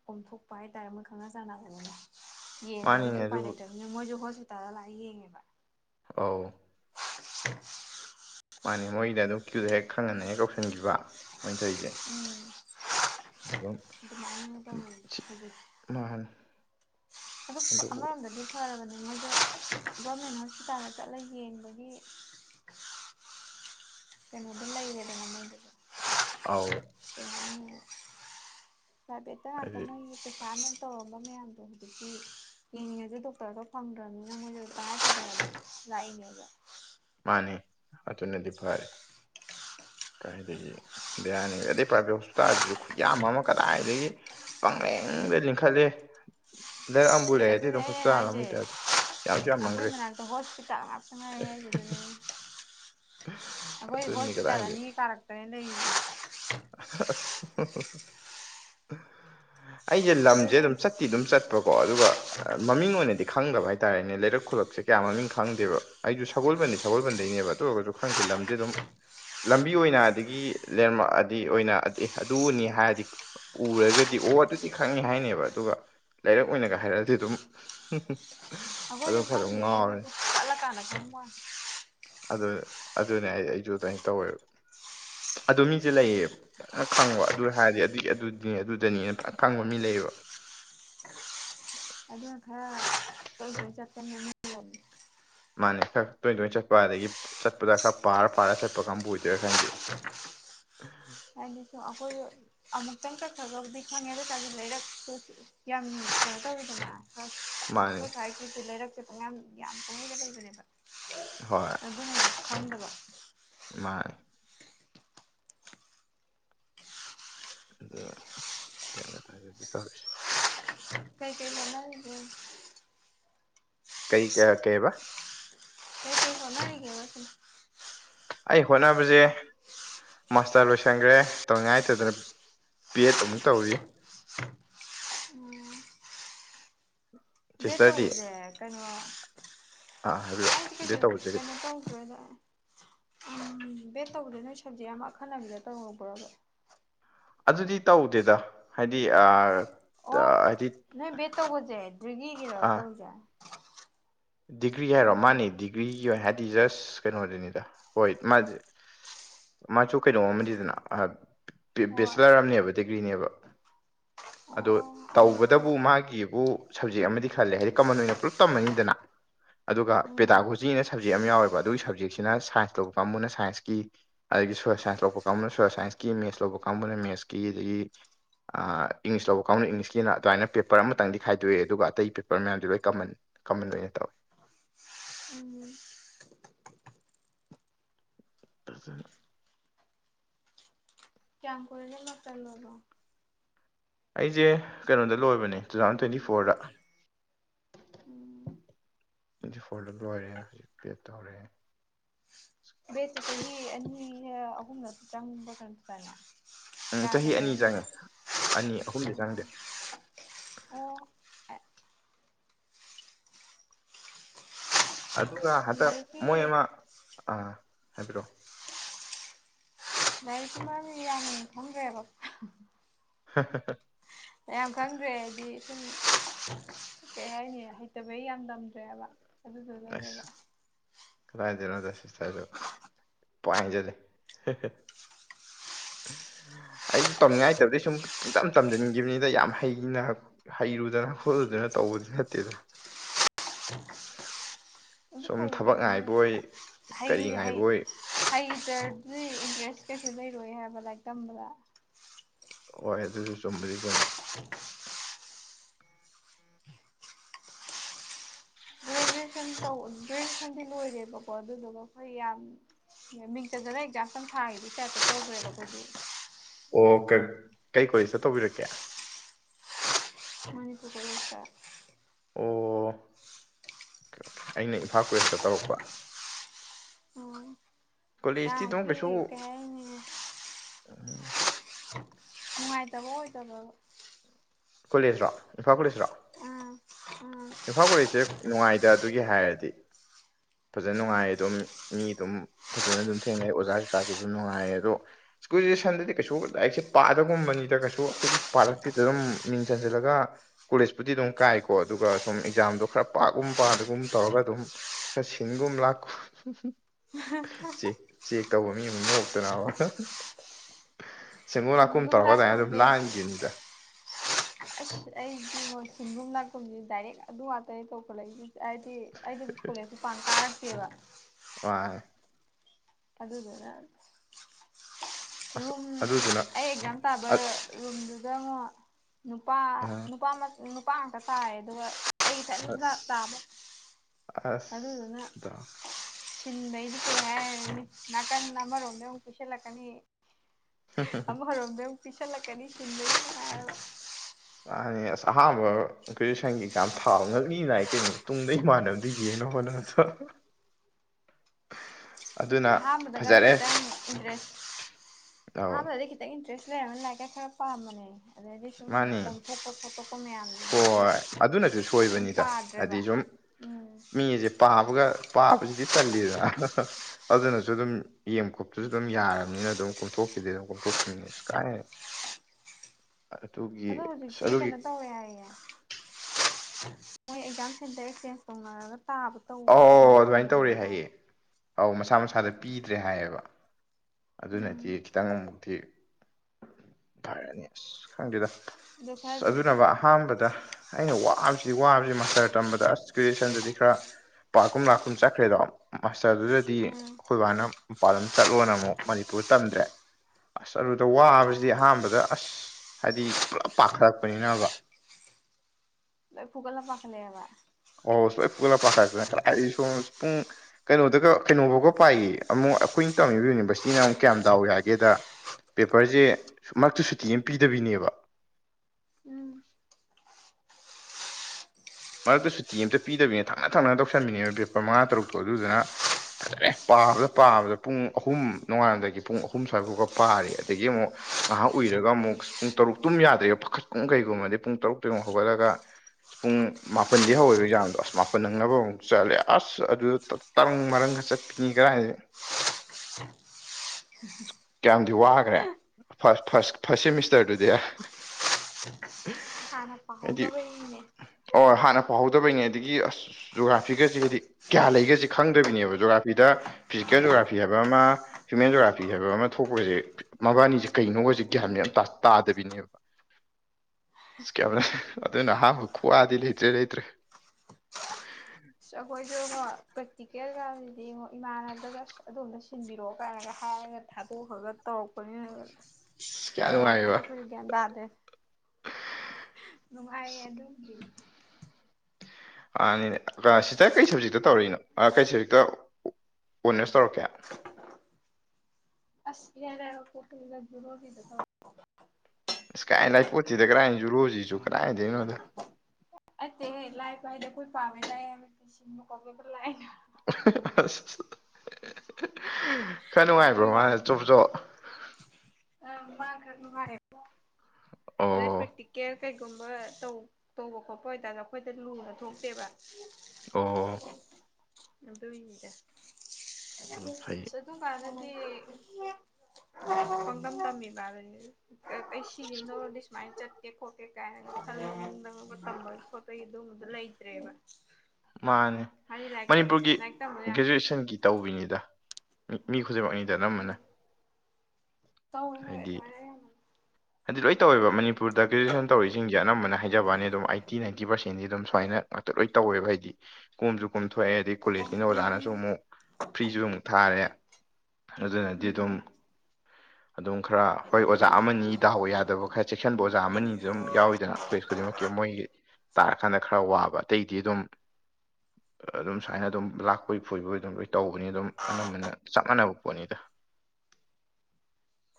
ꯀꯣꯝꯊꯣꯛꯄ ꯍꯥꯏꯇꯔꯦ ꯃꯣꯏ ꯈꯪꯅ ꯆꯥꯟꯅꯕꯅꯤꯅ ꯃꯥꯅꯤꯅꯦ ꯌꯦꯡꯕꯒꯤꯗꯤ ꯎꯄꯥꯏ ꯑꯗꯨꯕꯨ ꯂꯩꯇꯕꯅꯤꯅ ꯃꯣꯏꯁꯨ ꯍꯣꯁꯄꯤꯇꯥꯜꯗ ꯂꯥꯛꯑ ꯌꯦꯡꯉꯦꯕ ꯑꯥꯎ *inaudible* ꯃꯥꯅꯤ ꯃꯣꯏꯒꯤꯗ ꯑꯗꯨꯝ ꯀ꯭ꯌꯨꯗꯣ ꯈꯔ ꯉꯟꯅ ꯍꯦꯛ ꯀꯧꯁꯟꯈꯤꯕ ꯃꯣꯏꯅ ꯇꯧꯔꯤꯁꯦ ꯑꯗꯨꯝ ꯑꯗꯨꯃꯥꯏꯅ ꯇꯧꯏ ꯁꯤ ꯑꯗꯨꯅꯤ ꯃꯥꯅꯤ ꯑꯗꯨ ꯑꯗꯨꯕꯨ ꯑꯃꯔꯣꯝꯗꯗꯤ ꯐꯔꯕꯅꯤ ꯃꯣꯏꯗ ꯒꯣꯔꯃꯦꯟ ꯍꯣꯁꯄꯤꯇꯥꯜꯗ ꯆꯠꯂ ꯌꯦꯡꯕꯒꯤ ꯀꯩꯅꯣꯗꯤ ꯂꯩꯔꯦꯗꯅ ꯃꯣꯏꯗꯖꯨ ꯑꯥꯎ ꯄ꯭ꯔꯥꯏꯚꯦꯠꯇ ꯉꯥꯛꯇ ꯍꯥꯏꯗꯤ ꯃꯣꯏꯒꯤ ꯄꯩꯁꯥꯅ ꯇꯧꯔꯝꯕ ꯃꯌꯥꯝꯗꯣ ꯍꯧꯖꯤꯛꯇꯤ ꯌꯦꯡꯅꯤꯡꯉꯁꯨ ꯗꯣꯛꯇꯔꯗꯣ ꯐꯪꯗ꯭ꯔꯝꯅꯤꯅ ꯃꯣꯏꯗꯁꯨ ꯇꯉꯥꯏꯐꯗꯅ ꯂꯥ ꯏ ꯅꯦꯕ ꯑꯗꯨꯅꯗꯤ ꯐꯔꯦ *unintelligible* ꯀꯥꯏꯗꯒꯤ ꯕꯦꯌꯥꯅꯤ ꯑꯗꯩ ꯄ꯭ꯔꯥꯏꯚꯦꯠ ꯍꯣꯁꯄꯤꯇꯥꯜꯁꯤꯁꯨ ꯈꯨꯌꯥꯝ ꯑꯃ ꯀꯗꯥꯏꯗꯒꯤ ꯄꯪꯂꯦꯞ ꯂꯤꯡꯗꯤ ꯂꯤꯡꯈꯠꯂꯤ *inaudible* ꯑꯦ ꯑꯗꯨꯗꯤ ꯑꯩ ꯑꯃ ꯍꯥꯏꯖꯦ ꯂꯩꯇꯔꯗꯤ ꯌꯥꯝꯁꯨ ꯑꯈꯣꯏ ꯌꯥꯝꯃꯟꯈ꯭ꯔꯦ ꯃꯅꯥꯛꯇ ꯍꯣꯁꯄꯤꯇꯥꯜ ꯉꯥꯛꯇ ꯉꯥꯏꯔꯦ ꯍꯥꯏꯖꯦ *unintelligible* ꯑꯈꯣꯏ ꯑꯗꯨꯅꯤ ꯍꯣꯁꯄꯤꯇꯥꯜ ꯀꯗꯥꯏꯗꯩ ꯑꯅꯤꯒꯤ ꯀꯥꯔꯛꯇꯅꯦ ꯂꯩ ꯑꯁ ꯍꯥ ꯍꯥ ꯍꯥ ꯑꯩꯖꯦ ꯂꯝꯖꯦ ꯑꯗꯨꯗꯤ ꯑꯗꯨꯝ ꯆꯠꯇꯤ ꯑꯗꯨꯝ ꯆꯠꯄꯀꯣ ꯑꯗꯨꯒ ꯃꯃꯤꯡ ꯑꯣꯏꯅꯗꯤ ꯈꯪꯗꯕ ꯍꯥꯏꯇꯥꯔꯦꯅꯦ ꯂꯩꯔꯛ ꯈꯨꯂꯛꯁꯦ ꯀꯌꯥ ꯃꯃꯤꯡ ꯈꯪꯗꯦꯕ ꯑꯩꯁꯨ ꯁꯒꯣꯜꯕꯟꯗꯤ ꯁꯒꯣꯜꯕꯟꯗꯩꯅꯦꯕ ꯇ ꯑꯣꯏꯔꯒꯁꯨ ꯈꯪꯗꯦ ꯂꯝꯁꯦ ꯑꯗꯨꯝ ꯂꯝꯕꯤ ꯑꯣꯏꯅ ꯑꯗꯒꯤ ꯂꯦꯟꯃꯥꯛ ꯗꯤ ꯑꯣꯏꯅ ꯗꯤ ꯑꯗꯨꯅꯤ ꯍꯥꯏꯔꯗꯤ ꯎꯔꯒꯗꯤ ꯑꯣ ꯑꯗꯨꯗꯤ ꯈꯪꯅꯤ ꯍꯥꯏꯅꯦꯕ ꯑꯗꯨꯒ ꯂꯩꯔꯛ ꯑꯣꯏꯅꯒ ꯍꯥꯏꯔꯛꯑꯗꯤ ꯑꯗꯨꯝ ꯈꯣꯏꯖꯨ ꯈꯔ ꯑꯗꯨꯝ ꯈꯪꯗꯦꯍꯦ ꯉꯥꯎꯔꯅꯤ ꯑꯗꯨꯗꯤ ꯆꯠꯂ ꯀꯥꯟꯗ ꯈꯪꯕ꯭ꯋꯥꯅꯤ ꯑꯗꯨ ꯑꯗꯨꯅꯦ ꯍꯥꯏꯗꯤ ꯑꯩꯖꯨ ꯑꯗꯨꯃꯥꯏꯅ ꯇꯧꯋꯦꯕ ꯑꯗ ꯃꯤꯁꯦ ꯂꯩꯌꯦꯕ ꯐꯖꯅ ꯈꯪꯕ ꯑꯗꯨ ꯍꯥꯏꯔꯗꯤ ꯑꯗꯨꯏꯗꯤ ꯑꯗꯨꯅꯤ ꯑꯗꯨꯗꯅꯤꯅ ꯐꯟ ꯈꯪꯕ ꯃꯤ ꯂꯩꯌꯦꯕ ꯑꯗꯨꯅ ꯈ꯭ꯔ ꯇꯣꯏꯇꯣꯏ ꯆꯠꯄ ꯃꯤ ꯂꯩ ꯃꯥꯅꯦ ꯈꯔ ꯇꯣꯏ ꯇꯣꯏꯅ ꯆꯠꯄ ꯑꯗꯒꯤ ꯆꯠꯄꯗ ꯈꯔ ꯄꯥꯔꯥ ꯄꯥꯔꯥ ꯆꯠꯄ ꯀꯥꯡꯕꯨ ꯑꯣꯏꯗꯣꯏꯔꯥ ꯈꯪꯗꯦ *unintelligible* ꯍꯥꯏꯗꯤꯁꯨ ꯑꯩꯈꯣꯏꯖꯨ ꯑꯃꯨꯛꯇꯪ ꯆꯈ꯭ꯔꯒꯕꯨꯗꯤ ꯈꯪꯉꯦ ꯗꯣꯇꯥꯁꯨ ꯂꯩꯔꯛ ꯁꯨ ꯌꯥꯝ ꯀꯩꯅꯣ ꯇꯧꯏꯗꯅ ꯃꯥꯅꯦ ꯑꯩꯈꯣꯏ ꯁ꯭ꯋꯥꯏꯒꯤꯗꯤ ꯂꯩꯔꯛꯁꯦ ꯄꯪꯌꯥꯝꯗ ꯌꯥꯝ ꯄꯪꯂꯩꯗ ꯂꯩꯕꯅꯦꯕ ꯑꯗꯨꯅ ꯅꯦ ꯈꯪꯗꯕ ꯃꯥ ꯑꯗ ꯀꯌꯥꯗꯗꯤ ꯇꯧꯔꯤꯁꯤ ꯀꯩ ꯀꯩ ꯉꯥꯡꯅꯔꯤꯕꯣ ꯀꯩ ꯀ ꯀꯩꯑꯕ ꯀꯩ ꯀꯩ ꯍꯣꯠꯅꯔꯤꯒꯦꯕ ꯁꯨꯝ ꯑꯩ ꯍꯣꯠꯅꯕꯖꯦ ꯃꯥꯁꯇꯔ ꯂꯣꯏꯁꯟꯈ꯭ꯔꯦ ꯇꯧꯉꯥꯏꯇꯗꯅ ꯕꯤꯑꯦꯗ ꯑꯃꯨꯛ ꯇꯧꯔꯤ ꯎꯝ ꯕꯦꯗ ꯁꯤꯁꯇꯔꯗꯤ ꯇꯧꯕꯖꯦ ꯀꯩꯅꯣ ꯑꯥ ꯍꯥꯏꯕꯤꯔꯛꯑꯣ ꯑꯩꯗꯤ ꯕꯤ ꯀꯩꯁꯨ ꯑꯦꯗ ꯇꯧꯕꯁꯦ ꯀꯩꯅꯣ ꯀꯩ- ꯇꯧꯒꯤꯔꯣꯏꯗ ꯎꯝ ꯕꯦꯠ ꯇꯧꯕꯗ ꯅꯣꯏ ꯁꯕꯖꯦꯛ ꯑꯃ ꯑꯈꯟꯅꯕꯤꯗꯣ ꯇꯧꯕ꯭ꯔꯕ ꯑꯗꯨꯗꯤ ꯇꯧꯗꯦꯗ ꯍꯥꯏꯗꯤ ꯑ ꯑꯣ ꯅꯣꯏ ꯕꯦꯠ ꯇꯧꯕꯖꯦ ꯗ꯭ꯔꯤꯒꯤ ꯒꯤꯔꯣ ꯑꯥ ꯇꯧꯏꯖꯦ ꯗꯤꯒ꯭ꯔꯤ ꯍꯥꯏꯔꯣ ꯃꯥꯅꯦ ꯗꯤꯒ꯭ꯔꯤꯒꯤ ꯑꯣꯏꯅ ꯍꯥꯏꯗꯤ ꯖꯁ ꯀꯩꯅꯣꯗꯨꯅꯤꯗ ꯍꯣꯏ ꯃꯥꯖꯦ ꯃꯥꯁꯨ ꯀꯩꯅꯣꯝ ꯑꯃꯗꯤꯗꯅ ꯍꯣꯏ ꯕꯦꯆꯤꯂꯔ ꯑꯃꯅꯦꯕ ꯗꯤꯒ꯭ꯔꯤꯅꯦꯕ ꯑꯣ ꯑꯗꯣ ꯑꯣ ꯇꯧꯕꯇꯕꯨ ꯑꯩꯅ ꯃꯥꯒꯤꯕꯨ ꯁꯞꯖꯦꯛ ꯑꯃꯗꯤ ꯈꯜꯂꯦ ꯍꯥꯏꯗꯤ ꯀꯃꯟ ꯑꯣꯏꯅ ꯄꯨꯂꯞ ꯇꯝꯃꯅꯤꯗꯅ ꯎꯝ ꯁꯞꯖꯦꯛ ꯑꯃ ꯌꯥꯎꯋꯦꯕ ꯑꯗꯨꯒꯤ ꯁꯞꯖꯦꯛꯁꯤꯅ ꯁꯥꯏꯟꯁ ꯂꯧꯕ ꯀꯥꯡꯕꯨꯅ ꯁꯥꯏꯟꯁꯀꯤ ꯑꯗꯒꯤ ꯁꯣꯁꯦꯜ ꯁꯥꯏꯟꯁ ꯂꯧꯕ ꯀꯥꯡꯕꯨꯅ ꯁꯣꯁꯦꯜ ꯁꯥꯏꯟꯁꯀꯤ ꯀꯤ ꯃꯦꯠꯁ ꯂꯧꯕ ꯀꯥꯡꯕꯨꯅ ꯃꯦꯠꯁꯀꯤ ꯑꯗꯒꯤ ꯑ ꯏꯪꯂꯤꯁ ꯂꯧꯕ ꯀꯥꯡꯎꯅ ꯏꯪꯂꯤꯁꯀꯤꯅ ꯑꯗꯨꯃꯥꯏꯅ ꯄꯦꯄꯔ ꯑꯃꯇꯪꯗꯤ ꯈꯥꯏꯗꯣꯛꯑꯦ ꯑꯗꯨꯒ ꯑꯇꯩ ꯄꯦꯄꯔ ꯃꯌꯥꯝꯗꯤ ꯂꯣꯏ ꯀꯃꯟ ꯀꯃꯟ ꯑꯣꯏꯌꯦ ꯎꯝ ꯑꯩꯖꯦ ꯀꯌꯥꯝ ꯀꯨꯏꯔꯒꯦ ꯃꯥꯁꯇꯔ ꯂꯣꯏꯕ ꯑꯩꯁꯦ ꯀꯩꯅꯣꯗ ꯂꯣꯏꯕꯅꯦ ꯇꯨ ꯊꯥꯎꯖꯟ ꯇ꯭ꯋꯦꯟꯇꯤ ꯐꯣꯔꯗ ꯎꯝ ꯇ꯭ꯋꯦꯟꯇꯤ ꯐꯣꯔꯗ ꯂꯣꯏꯔꯦ ꯍꯧꯖꯤꯛ ꯕꯦꯠ ꯇꯧꯔꯦ ꯕꯦꯠꯇꯤ ꯆꯍꯤ ꯑꯅꯤꯔ ꯑꯍꯨꯝꯂ ꯆꯪꯕ꯭ꯔꯥ ꯀꯩꯅꯣꯝ ꯇꯧꯗꯥꯏꯅꯦ ꯎꯝ ꯀꯌꯥ ꯆꯍꯤ ꯆꯪꯒꯦ ꯑꯅꯤ ꯅꯪꯒꯤ ꯆꯪꯉꯦ ꯑꯅꯤ ꯑꯍꯨꯝꯗꯤ ꯎꯝ ꯆꯪꯗꯦ ꯑꯣ ꯑꯩ ꯑꯗꯨꯒ ꯍꯟꯗꯛ ꯂꯥꯏꯔꯤꯛꯀꯤ ꯃꯣꯏ ꯑꯃ ꯑ ꯍꯥꯏꯕꯤꯔꯛꯑꯣ ꯂꯥꯏꯔꯤꯛꯀꯤ ꯃꯔꯝꯗ ꯌꯥꯝ ꯈꯪꯗ꯭ꯔꯦꯕ ꯍ ꯍ ꯍ ꯌꯥꯝ ꯈꯪꯗ꯭ꯔꯦ ꯍꯥꯏꯗꯤ ꯁꯨꯝ ꯀꯩ ꯍꯥꯏꯅꯤ ꯍꯩꯇꯕꯩ ꯌꯥꯝ ꯇꯝꯗ꯭ꯔꯦꯕ ꯑꯗꯨꯗꯨꯅꯅꯦꯕ ꯑꯁ ꯀꯗꯥꯏꯗꯩꯅꯣꯗ ꯁꯤꯁꯇꯔꯖꯨ ꯄꯨꯍꯥꯏ ꯍꯥꯏꯖꯤꯜꯂꯦ ꯍꯦ ꯍꯦ ꯑꯩꯁꯨ ꯇꯝꯅꯤꯡꯉꯥꯏ ꯂꯩꯇꯕꯗꯒꯤ ꯁꯨꯝ ꯄꯨꯡꯇꯝ ꯇꯝꯁꯤꯟꯒꯤꯕꯅꯤꯗ ꯌꯥꯝ ꯍꯩꯅ ꯍꯩꯔꯨꯗꯅ ꯈꯣꯠꯂꯨꯗꯅ ꯇꯧꯕꯗꯤ ꯅꯠꯇꯦꯗ ꯑꯗꯨ ꯁꯨꯝ ꯐꯩ ꯊꯕꯛ ꯀꯩꯅꯣ ꯅꯣꯏꯒꯤꯗꯣ ꯉꯥꯏꯕꯣꯏ ꯍꯩ ꯀꯔꯤ ꯍꯩ ꯉꯥꯏꯕꯣꯏ ꯍꯩꯇ꯭ꯔ ꯅꯣꯏ ꯏꯟꯇ꯭ꯔꯦꯁ ꯀꯩꯁꯨ ꯂꯩꯔꯣꯏ ꯍꯥꯏꯕ ꯂꯥꯏꯔꯤꯛ ꯇꯝꯕꯗ ꯍꯣꯏ ꯑꯗꯨꯁꯨ ꯆꯨꯝꯕꯨꯗꯤ ꯆꯨꯝꯃꯦ *inaudible* ꯒ꯭ꯔꯦꯖꯨꯌꯦꯁꯟ ꯇꯧ ꯒ꯭ꯔꯦꯖꯨꯌꯦꯁꯟ ꯗꯤ ꯂꯣꯏꯔꯦꯕꯀꯣ ꯑꯗꯨꯗꯨꯒ ꯑꯩꯈꯣꯏ ꯌꯥꯝ ꯃꯤꯡꯆꯖꯟꯂꯒ ꯑꯦꯛꯖꯥꯝ ꯇꯪ ꯊꯥꯏꯌꯦꯕ ꯇꯥꯏꯞꯇ ꯇꯧꯈ꯭ꯔꯦꯕ ꯑꯈꯣꯏꯗꯤ ꯑꯣ ꯀꯩ ꯀꯩ ꯀꯣꯂꯦꯁꯇ ꯇꯧꯕꯤꯔꯛꯀꯦ ꯃꯅꯤꯄꯨꯔ ꯀꯣꯂꯦꯁꯇ ꯑꯣ ꯑꯣꯀꯦ ꯑꯣꯀꯦ ꯑꯩꯅ ꯏꯝꯐꯥꯜ ꯀꯣꯂꯦꯁꯇ ꯇꯧꯔꯛꯄ ꯎꯝ ꯀꯣꯂꯦꯖꯇꯤ ꯌꯥꯝ ꯑꯗꯨꯝ ꯈꯨꯏ ꯀꯩꯁꯨ ꯀꯩ ꯍꯥꯏꯅꯤ ꯎꯝ, ꯅꯨꯡꯉꯥꯏꯇꯕ ꯑꯣꯏꯗꯕ꯭ꯔꯥꯕ ꯀꯣꯂꯦꯖ ꯔꯣ ꯏꯝꯐꯥꯜ ꯀꯣꯂꯦꯁꯇꯔꯣ ꯑꯥ ꯑꯥ ꯏꯝꯐꯥꯜ ꯀꯣꯂꯦꯁꯦ ꯅꯨꯡꯉꯥꯏꯗ ꯑꯗꯨꯒꯤ ꯍꯥꯏꯔꯗꯤ *inaudible* ꯐꯖꯅ ꯅꯨꯡꯉꯥꯏ ꯑꯗꯨꯝ ꯃꯤ ꯑꯗꯨꯝ ꯐꯖꯅ ꯑꯗꯨꯝ ꯊꯦꯡꯅꯩ ꯑꯣꯖꯥ ꯀꯩꯀꯥꯁꯨ ꯑꯗꯨꯝ ꯅꯨꯡꯉꯥꯏꯌꯦ ꯑꯗꯣ ꯒ꯭ꯔꯦꯖꯨꯌꯦꯁꯟꯗꯗꯤ ꯀꯩꯁꯨ ꯂꯥꯏꯔꯤꯛꯁꯦ ꯄꯥꯗꯒꯨꯝꯕꯅꯤꯗ ꯀꯩꯁꯨ ꯑꯩꯈꯣꯏꯁꯨ ꯄꯥꯔꯛꯇꯦꯗ ꯑꯗꯨꯝ ꯃꯤꯡ ꯆꯟꯁꯤꯜꯂꯒ ꯀꯣꯂꯦꯁꯄꯨꯗꯤ ꯑꯗꯨꯝ ꯀꯥꯏꯀꯣ ꯑꯗꯨꯒ ꯁꯨꯝ ꯑꯦꯛꯖꯥꯝꯗꯣ ꯈꯔ ꯄꯥꯒꯨꯝ ꯄꯥꯗꯒꯨꯝ ꯇꯧꯔꯒ ꯑꯗꯨꯝ ꯈꯔ ꯁꯤꯟꯒꯨꯝ ꯂꯥꯛ ꯍꯝ ꯍꯝ ꯆꯦꯛ ꯆꯦꯛ ꯇꯧꯕ ꯃꯤ ꯑꯃꯨꯛ ꯅꯣꯛꯇꯅꯕ ꯁꯦꯡꯉꯣ ꯂꯥꯛ ꯁꯤꯟꯒꯨꯝ ꯇꯧꯔꯒ ꯑꯗꯨꯃꯥꯏꯅ ꯑꯗꯨꯝ ꯂꯥꯟꯒꯤꯕꯅꯤꯗ ꯑꯁ ꯑꯩꯖꯨ ꯉꯣ ꯁꯤꯟꯒꯨꯝ ꯂꯥꯛꯀꯨꯝ ꯅꯤ ꯗꯥꯏꯔꯦꯛ ꯑꯗꯨ ꯉꯥꯛꯇꯅꯦ ꯇꯧꯈꯠꯂꯛꯏꯁꯦ ꯍꯥꯏꯗꯤ ꯑꯩꯗꯨ ꯀꯣꯂꯦꯖꯇꯨ ꯄꯥꯛꯅ ꯀꯔꯛꯇꯦꯕ ꯅꯨꯡꯉꯥꯢ ꯑꯗꯨꯗꯨꯅ ꯑꯁ ꯔꯨꯝ ꯑꯗꯨꯗꯨꯅ ꯑꯩ ꯑꯦꯛꯖꯥꯞ ꯇꯥꯕ ꯑꯠ- ꯔꯨꯝꯗꯨꯗꯉꯣ ꯅꯨꯄꯥ ꯑ- ꯅꯨꯄꯥ ꯃꯠ ꯅꯨꯄꯥ ꯉꯥꯛꯇ ꯇꯥꯏꯑꯦ ꯑꯗꯨꯒ ꯑꯩ ꯏꯊꯟꯗ ꯑꯁ ꯇꯥꯕ ꯑꯁ ꯑꯗꯨꯗꯨꯅ ꯗꯥ ꯁꯤꯟꯕꯩꯗꯤ ꯀꯩ ꯍꯥꯏꯔꯨꯔꯅꯤ ꯅꯀꯟ ꯑꯃꯔꯣꯝꯗ ꯑꯃꯨꯛ ꯄꯤꯁꯟꯂꯛꯀꯅꯤ ꯑꯃꯔꯣꯝꯗꯩ ꯑꯃꯨꯛ ꯄꯤꯁꯟꯂꯛꯀꯅꯤ ꯍꯥꯔꯦꯍꯦ ꯑꯁ ꯑꯍꯥꯟꯕ ꯒ꯭ꯔꯦꯖꯨꯋꯦꯁꯟꯒꯤ ꯑꯦꯛꯖꯥꯝ ꯊꯥꯕ ꯉꯛꯂꯤ ꯅꯥꯏ ꯀꯩꯅꯣ ꯇꯨꯡꯗ ꯏꯃꯥꯟꯅꯕꯗ ꯌꯦꯡꯅꯕ ꯍꯣꯠꯅꯕꯗ *inaudible* ꯑꯗꯨꯅ ꯑꯍꯥꯟꯕꯗꯒꯗꯤ ꯐꯖꯔꯦ ꯈꯤꯇꯪ ꯏꯟꯇ꯭ꯔꯦꯁ ꯑꯧ ꯑꯍꯥꯟꯕꯗꯗꯤ ꯈꯤꯇꯪ ꯏꯟꯇ꯭ꯔꯦꯁ ꯁꯤꯗ ꯂꯩꯔ ꯂꯥꯏꯔꯤꯛꯀ ꯈꯔ ꯄꯥꯔꯝꯕꯅꯦꯕ ꯑꯗꯩꯗꯤ ꯁꯨꯝ ꯃꯥꯅꯤ ꯀꯣꯝꯊꯣꯛꯄ ꯈꯣꯠꯇꯣꯛ ꯍꯣꯏ ꯑꯗꯨꯅꯁꯨ ꯁꯨꯝ ꯁꯣꯏꯕꯅꯤꯗ ꯍꯥꯏꯗꯤ ꯄꯥꯗ꯭ꯔꯦꯕ ꯁꯨꯝ ꯎꯝ ꯃꯤꯖꯦ ꯄꯥꯕꯒ ꯄꯥꯕꯁꯤꯗꯤ ꯇꯜꯂꯤꯗꯅ ꯑꯗꯨꯅꯁꯨ ꯑꯗꯨꯨ ꯑꯗꯨꯝ ꯌꯦꯡ ꯈꯣꯠꯄꯁꯨ ꯑꯗꯨꯝ ꯌꯥꯔꯕꯅꯤꯅ ꯑꯗꯨꯝ ꯀꯣꯝꯊꯣꯛꯈꯤꯕꯗꯒꯤ ꯑꯗꯨꯝ ꯊꯣꯛꯈꯤꯕꯅꯤ ꯏꯁꯀꯥꯏ ꯑꯗꯣ ꯍꯧꯖꯤꯛꯇꯤ ꯀꯩꯅꯣ ꯇꯧꯋꯦ ꯍꯥꯏꯌꯦ ꯃꯣꯏ ꯑꯦꯛꯖꯥꯝ ꯁꯦꯟꯇꯔ ꯆꯦꯟꯖ ꯇꯧꯅꯔꯒ ꯇꯥꯕ ꯇꯧꯕ ꯑꯧ ꯑꯗꯨꯃꯥꯏꯅ ꯇꯧꯔꯦ ꯇꯧꯅꯤꯅ ꯍꯥꯏ ꯍꯥꯏꯌꯦ ꯑꯧ ꯃꯁꯥ ꯃꯁꯥꯗ ꯄꯤꯗ꯭ꯔꯦ ꯍꯥꯏꯌꯦꯕ ꯎꯝ ꯑꯗꯨꯅꯗꯤ ꯈꯤꯇꯪ ꯃꯨꯛꯇꯤ ꯐꯔꯅꯤ ꯑꯁ ꯈꯪꯗꯦꯗ ꯑꯗꯨ ꯑꯁ ꯈꯔꯗꯤ ꯑꯗꯨꯅꯕ ꯑꯍꯥꯟꯕꯗ ꯑꯩꯅ ꯋꯥꯕꯁꯤ ꯋꯥꯕꯁꯤ ꯃꯥꯁꯇꯔ ꯇꯝꯕꯗ ꯑꯁ ꯒ꯭ꯔꯦꯖꯨꯌꯦꯁꯟꯗꯗꯤ ꯈꯔ ꯄꯥꯛꯈꯨꯝ ꯂꯥꯛꯀꯨꯝ ꯆꯠꯈ꯭ꯔꯦꯗꯣ ꯃꯥꯁꯇꯔꯗꯨꯗꯗꯤ ꯎꯝ ꯑꯩꯈꯣꯏꯃꯥꯏꯅ ꯃꯄꯥꯟ ꯂꯝ ꯆꯠꯂꯣꯅ ꯑꯃꯨꯛ ꯃꯅꯤꯄꯨꯔ ꯇꯝꯗ꯭ꯔꯦ ꯑꯁ ꯑꯗꯨꯗ ꯑꯣ ꯋꯥꯕꯁꯤꯗꯤ ꯑꯍꯥꯟꯕꯗ ꯑꯁ ꯍꯥꯏꯕꯗꯤ ꯄꯨꯂꯞ ꯄꯥꯈꯠꯂꯛꯄꯅꯤꯅꯕ ꯂꯣꯏ ꯐꯨꯒꯠꯂ ꯄꯈꯠꯂꯛꯑꯦꯕ ꯑꯣ ꯁꯣꯌ ꯐꯨꯒꯠꯂ ꯄꯥꯈꯠꯂꯛꯇꯅ ꯀ ꯑꯩ ꯁꯣꯝ ꯄꯨꯡ ꯀꯩꯅꯣꯗꯒ ꯀꯩꯅꯣ ꯐꯥꯎꯒ ꯄꯥꯏꯌꯦ ꯑꯃꯨꯛ ꯑꯩꯈꯣꯏꯅ ꯇꯧꯃꯤꯕ ꯌꯨꯅꯤꯚꯔꯁꯤꯇꯤꯅ ꯑꯃꯨꯛ ꯀꯌꯥꯝ ꯗꯥꯎ ꯌꯥꯒꯦꯗ ꯄꯦꯄꯔꯁꯦ ꯃꯥꯔꯛꯇꯨ ꯁꯨꯇꯤ ꯑꯃ ꯄꯤꯗꯕꯤꯅꯦꯕ ꯎꯝ ꯃꯔꯛꯇ ꯁꯨꯇꯤ ꯑꯃꯝꯇ ꯄꯤꯗꯕꯤꯅꯤ ꯊꯪꯅ ꯊꯪꯅ ꯇꯧꯁꯟꯕꯤꯅꯦꯕ ꯄꯦꯄꯔ ꯃꯉꯥ ꯇꯔꯨꯛꯇꯣ ꯑꯗꯨꯗꯨꯅ ꯐꯖꯔꯦ ꯄꯥꯕꯗ ꯄꯥꯕꯗ ꯄꯨꯡ ꯑꯍꯨꯝ ꯅꯣꯡꯉꯥꯜꯂꯝꯗꯥꯏꯒꯤ ꯄꯨꯡ ꯑꯍꯨꯝ ꯁ꯭ꯋꯥꯏ ꯐꯥꯎꯕ ꯄꯥꯔꯦ ꯑꯗꯒꯤ ꯑꯃꯨꯛ ꯉꯥꯏꯍꯥꯛ ꯎꯏꯔ ꯑꯗꯨꯒ ꯑꯃꯨꯛ ꯄꯨꯡ ꯇꯔꯨꯛ ꯇꯨꯝ ꯌꯥꯗ꯭ꯔꯦꯕ ꯄꯥꯈꯠꯀꯨꯝ ꯀꯩꯒꯨꯝ ꯑꯗꯩ ꯄꯨꯡ ꯇꯔꯨꯛꯇꯩꯃꯨꯛ ꯍꯧꯒꯠꯂꯒ ꯄꯨꯡ ꯃꯥꯄꯟꯗꯩ ꯍꯧꯑꯦꯕ ꯑꯦꯛꯖꯥꯝꯗꯣ ꯑꯁ ꯃꯥꯄꯜ ꯅꯪꯅꯕ ꯑꯃꯨꯛ ꯆꯠꯂꯦ ꯑꯁ ꯑꯗꯨ ꯇꯔꯪ ꯃꯔꯪꯒ ꯆꯠꯄꯤꯅꯤꯒ ꯀꯥꯏꯗꯩꯩ *inaudible* ꯀꯌꯥꯝꯗꯤ ꯋꯥꯈ꯭ꯔꯦ ꯐ ꯐꯥꯔꯁ ꯐꯥꯔꯁ ꯁꯦꯃꯤꯁꯇꯔꯗꯗꯤ ꯍꯟꯅ ꯄꯥꯍꯧꯗꯕꯒꯤꯅꯦ ꯑꯣ ꯍꯥꯟꯅ ꯄꯍꯧꯗꯕꯒꯤꯅꯤ ꯑꯗꯒꯤ ꯑꯁ ꯖꯣꯒ꯭ꯔꯥꯐꯤꯒꯁꯦ ꯀꯌꯥ ꯂꯩꯒꯁꯦ ꯈꯪꯗꯕꯤꯅꯦꯕ ꯖꯣꯒ꯭ꯔꯥꯐꯤꯗ ꯐꯤꯖꯤꯀꯦꯜ ꯖꯣꯒ꯭ꯔꯥꯐꯤ ꯍꯥꯏꯕ ꯑꯃ ꯍ꯭ꯌꯨꯃꯦꯟ ꯖꯣꯒ꯭ꯔꯥꯐꯤ ꯍꯥꯏꯕ ꯑꯃ ꯊꯣꯛꯄꯁꯦ ꯃꯕꯥꯠꯅꯤꯁꯦ ꯀꯩꯅꯣꯁꯦ ꯎꯝ ꯒ꯭ꯌꯥꯟꯁ ꯇꯥꯗꯕꯤꯅꯦꯕ ꯀꯩꯕꯥ ꯑꯗꯨꯅ ꯑꯍꯥꯟꯕ ꯈꯨꯋꯥꯗꯤ ꯂꯩꯇ꯭ꯔꯦ ꯂꯩꯇ꯭ꯔꯦ *inaudible* ꯑꯩꯈꯣꯏꯁꯨ ꯀꯣ ꯄ꯭ꯔꯦꯛꯇꯤꯀꯦꯜꯒꯁꯤꯗꯤ ꯏꯃꯥꯟꯅꯕꯗꯒ ꯑꯗꯨ ꯁꯤꯟꯕꯤꯔꯛꯑꯣ ꯀꯥꯏꯅꯒ ꯍꯥꯏ ꯊꯥꯗꯣꯛꯈ꯭ꯔꯒ ꯇꯧꯔꯛꯄꯅꯤꯅ ꯀꯌꯥ ꯑꯁ ꯅꯨꯡꯉꯥꯏꯕ ꯂꯥꯏꯔꯤꯛꯀꯥꯥꯁꯦ ꯑꯩꯈꯣꯏꯁꯨ ꯒ꯭ꯌꯥꯟ ꯇꯥꯗ꯭ꯔꯦ ꯅꯨꯡꯉꯥꯏ ꯑꯁ ꯑꯗꯨꯝꯃꯗꯤ ꯃꯟꯅꯤꯅꯦ ꯁꯤꯁꯇꯔ ꯇꯧꯔꯛ ꯑꯦꯅꯣ ꯑꯥ ꯀꯩ ꯁꯕꯖꯦꯛ ꯇꯥ ꯑꯣꯔꯅꯔꯁ ꯇꯧꯔꯛꯀꯦ ꯑꯁ ꯏꯔꯥꯏ ꯂꯥꯏꯕ ꯄꯣꯠꯇꯅꯤꯗ ꯖꯨꯂꯣꯖꯤꯗ ꯇꯧꯔꯛꯄ ꯑꯁ ꯀꯥꯏ ꯂꯥꯏꯄꯣꯠꯇꯦꯗ ꯀꯥꯏ ꯖꯨꯂꯣꯖꯤꯁꯨ ꯀꯔꯥꯏꯗꯩꯅꯣꯗ ꯅꯠꯇꯦꯍꯦ ꯂꯥꯏꯕ *unintelligible* ꯍꯥ ꯍꯥ ꯑꯁ ꯍꯥ ꯍꯥ ꯍꯥ ꯈꯔ ꯅꯨꯡꯉꯥꯏꯕ꯭ꯔꯣ ꯑꯗꯨꯏ ꯉꯔꯡ ꯆꯣꯞ ꯆꯣꯞ ꯃꯈꯛ ꯅꯨꯡꯉꯥꯏ ꯑꯗꯩ ꯑꯣ ꯄꯦꯇ꯭ꯔꯤꯀꯦꯜ ꯀꯩꯒꯨꯝꯕ ꯇꯧꯕ ꯈꯣꯠꯄ ꯑꯣꯏꯇꯥꯗꯝ ꯑꯩꯈꯣꯏꯗ ꯂꯨꯅ ꯊꯣꯛꯇꯦꯕ ꯑꯣ ꯑꯗꯨꯒꯤꯅꯤꯗ ꯐꯩ ꯑꯗꯨꯝ ꯀꯟꯗꯗꯤ ꯄꯨꯡꯇꯝ ꯇꯝꯃꯤꯕꯗꯨꯅꯤ ꯑꯩ ꯁꯤꯁꯤꯝꯃ ꯂꯧꯔꯗꯤ ꯁꯨꯃꯥꯏꯅ ꯆꯠꯀꯦ ꯈꯣꯠꯀꯦ ꯀꯥꯏꯅꯒ ꯈꯜꯂꯒ ꯇꯝꯕꯒꯤ ꯈꯣꯄꯒꯤ ꯑꯗꯨꯒ ꯂꯩꯇ꯭ꯔꯦꯕ ꯃꯥꯅꯦ ꯍꯥꯏꯗꯤ ꯂꯥꯏꯔꯤꯛ ꯃꯅꯤꯄꯨꯔꯒꯤ ꯂꯥꯏꯔꯤꯛ ꯇꯝꯕꯗ ꯒ꯭ꯔꯦꯖꯨꯁꯟꯒꯤ ꯇꯧꯏꯅꯤꯗ ꯃꯤ ꯈꯨꯗꯤꯡꯃꯛꯅꯤꯗ ꯅꯝꯕꯅ ꯇꯧꯌꯦ ꯍꯣꯏ ꯑꯗꯨꯃꯥꯏꯅ ꯑꯌꯥꯝꯕꯅ ꯍꯥꯏꯗꯤ ꯂꯣꯏ ꯇꯧꯋꯕ ꯃꯅꯤꯄꯨꯔꯗ ꯒ꯭ꯔꯦꯖꯨꯌꯦꯁꯟ ꯇꯧꯔꯤꯁꯤꯡꯁꯦ ꯑꯅꯝꯕꯅ ꯍꯥꯏꯖꯕ ꯋꯥꯅꯦ ꯑꯗꯨꯝ ꯑꯥꯏꯇꯤ ꯅꯥꯏꯟꯇꯤ ꯄꯔꯁꯦꯟꯗꯤ ꯑꯗꯨꯝ ꯁꯨꯃꯥꯏꯅ ꯉꯥꯛꯇ ꯂꯣꯏ ꯇꯧꯋꯦꯕ ꯍꯥꯏꯗꯤ ꯀꯣꯝꯖꯨ ꯀꯣꯝꯊꯣꯛꯑꯦ ꯑꯗꯩ ꯀꯣꯂꯦꯖꯅꯤꯅ ꯑꯣꯖꯥꯅꯁꯨ ꯑꯃꯨꯛ ꯐ꯭ꯔꯤꯁꯨ ꯑꯃꯨꯛ ꯊꯥꯔꯦ ꯑꯗꯨꯅꯗꯤ ꯑꯗꯨꯝ ꯎꯝ ꯑꯗꯨꯝ ꯈꯔ ꯍꯣꯏ ꯑꯣꯖꯥ ꯑꯃꯅꯤ ꯗꯥꯎ ꯌꯥꯗꯕ ꯈꯔ ꯆꯦꯛꯁꯤꯟꯕ ꯑꯣꯖꯥ ꯑꯃꯅꯤꯁꯨ ꯑꯗꯨꯝ ꯌꯥꯎꯋꯤꯗꯅ ꯀꯣꯂꯦꯖ ꯈꯨꯗꯤꯡꯃꯛꯀꯤ ꯃꯣꯏꯒꯤ ꯇꯥꯔꯀꯥꯟꯗ ꯈꯔ ꯋꯥꯕ ꯑꯇꯩꯗꯤ ꯑꯗꯨꯝ ꯑꯗꯨꯝ ꯁꯨꯃꯥꯏꯅ ꯑꯗꯨꯝ ꯂꯥꯛꯄꯣꯏ ꯐꯣꯏꯕꯣꯏ ꯑꯗꯨꯝ ꯇꯧꯕꯅꯤ ꯑꯗꯨꯝ ꯑꯅꯝꯕꯅ ꯆꯞ ꯃꯥꯟꯅꯕ ꯄꯣꯠꯅꯤꯗ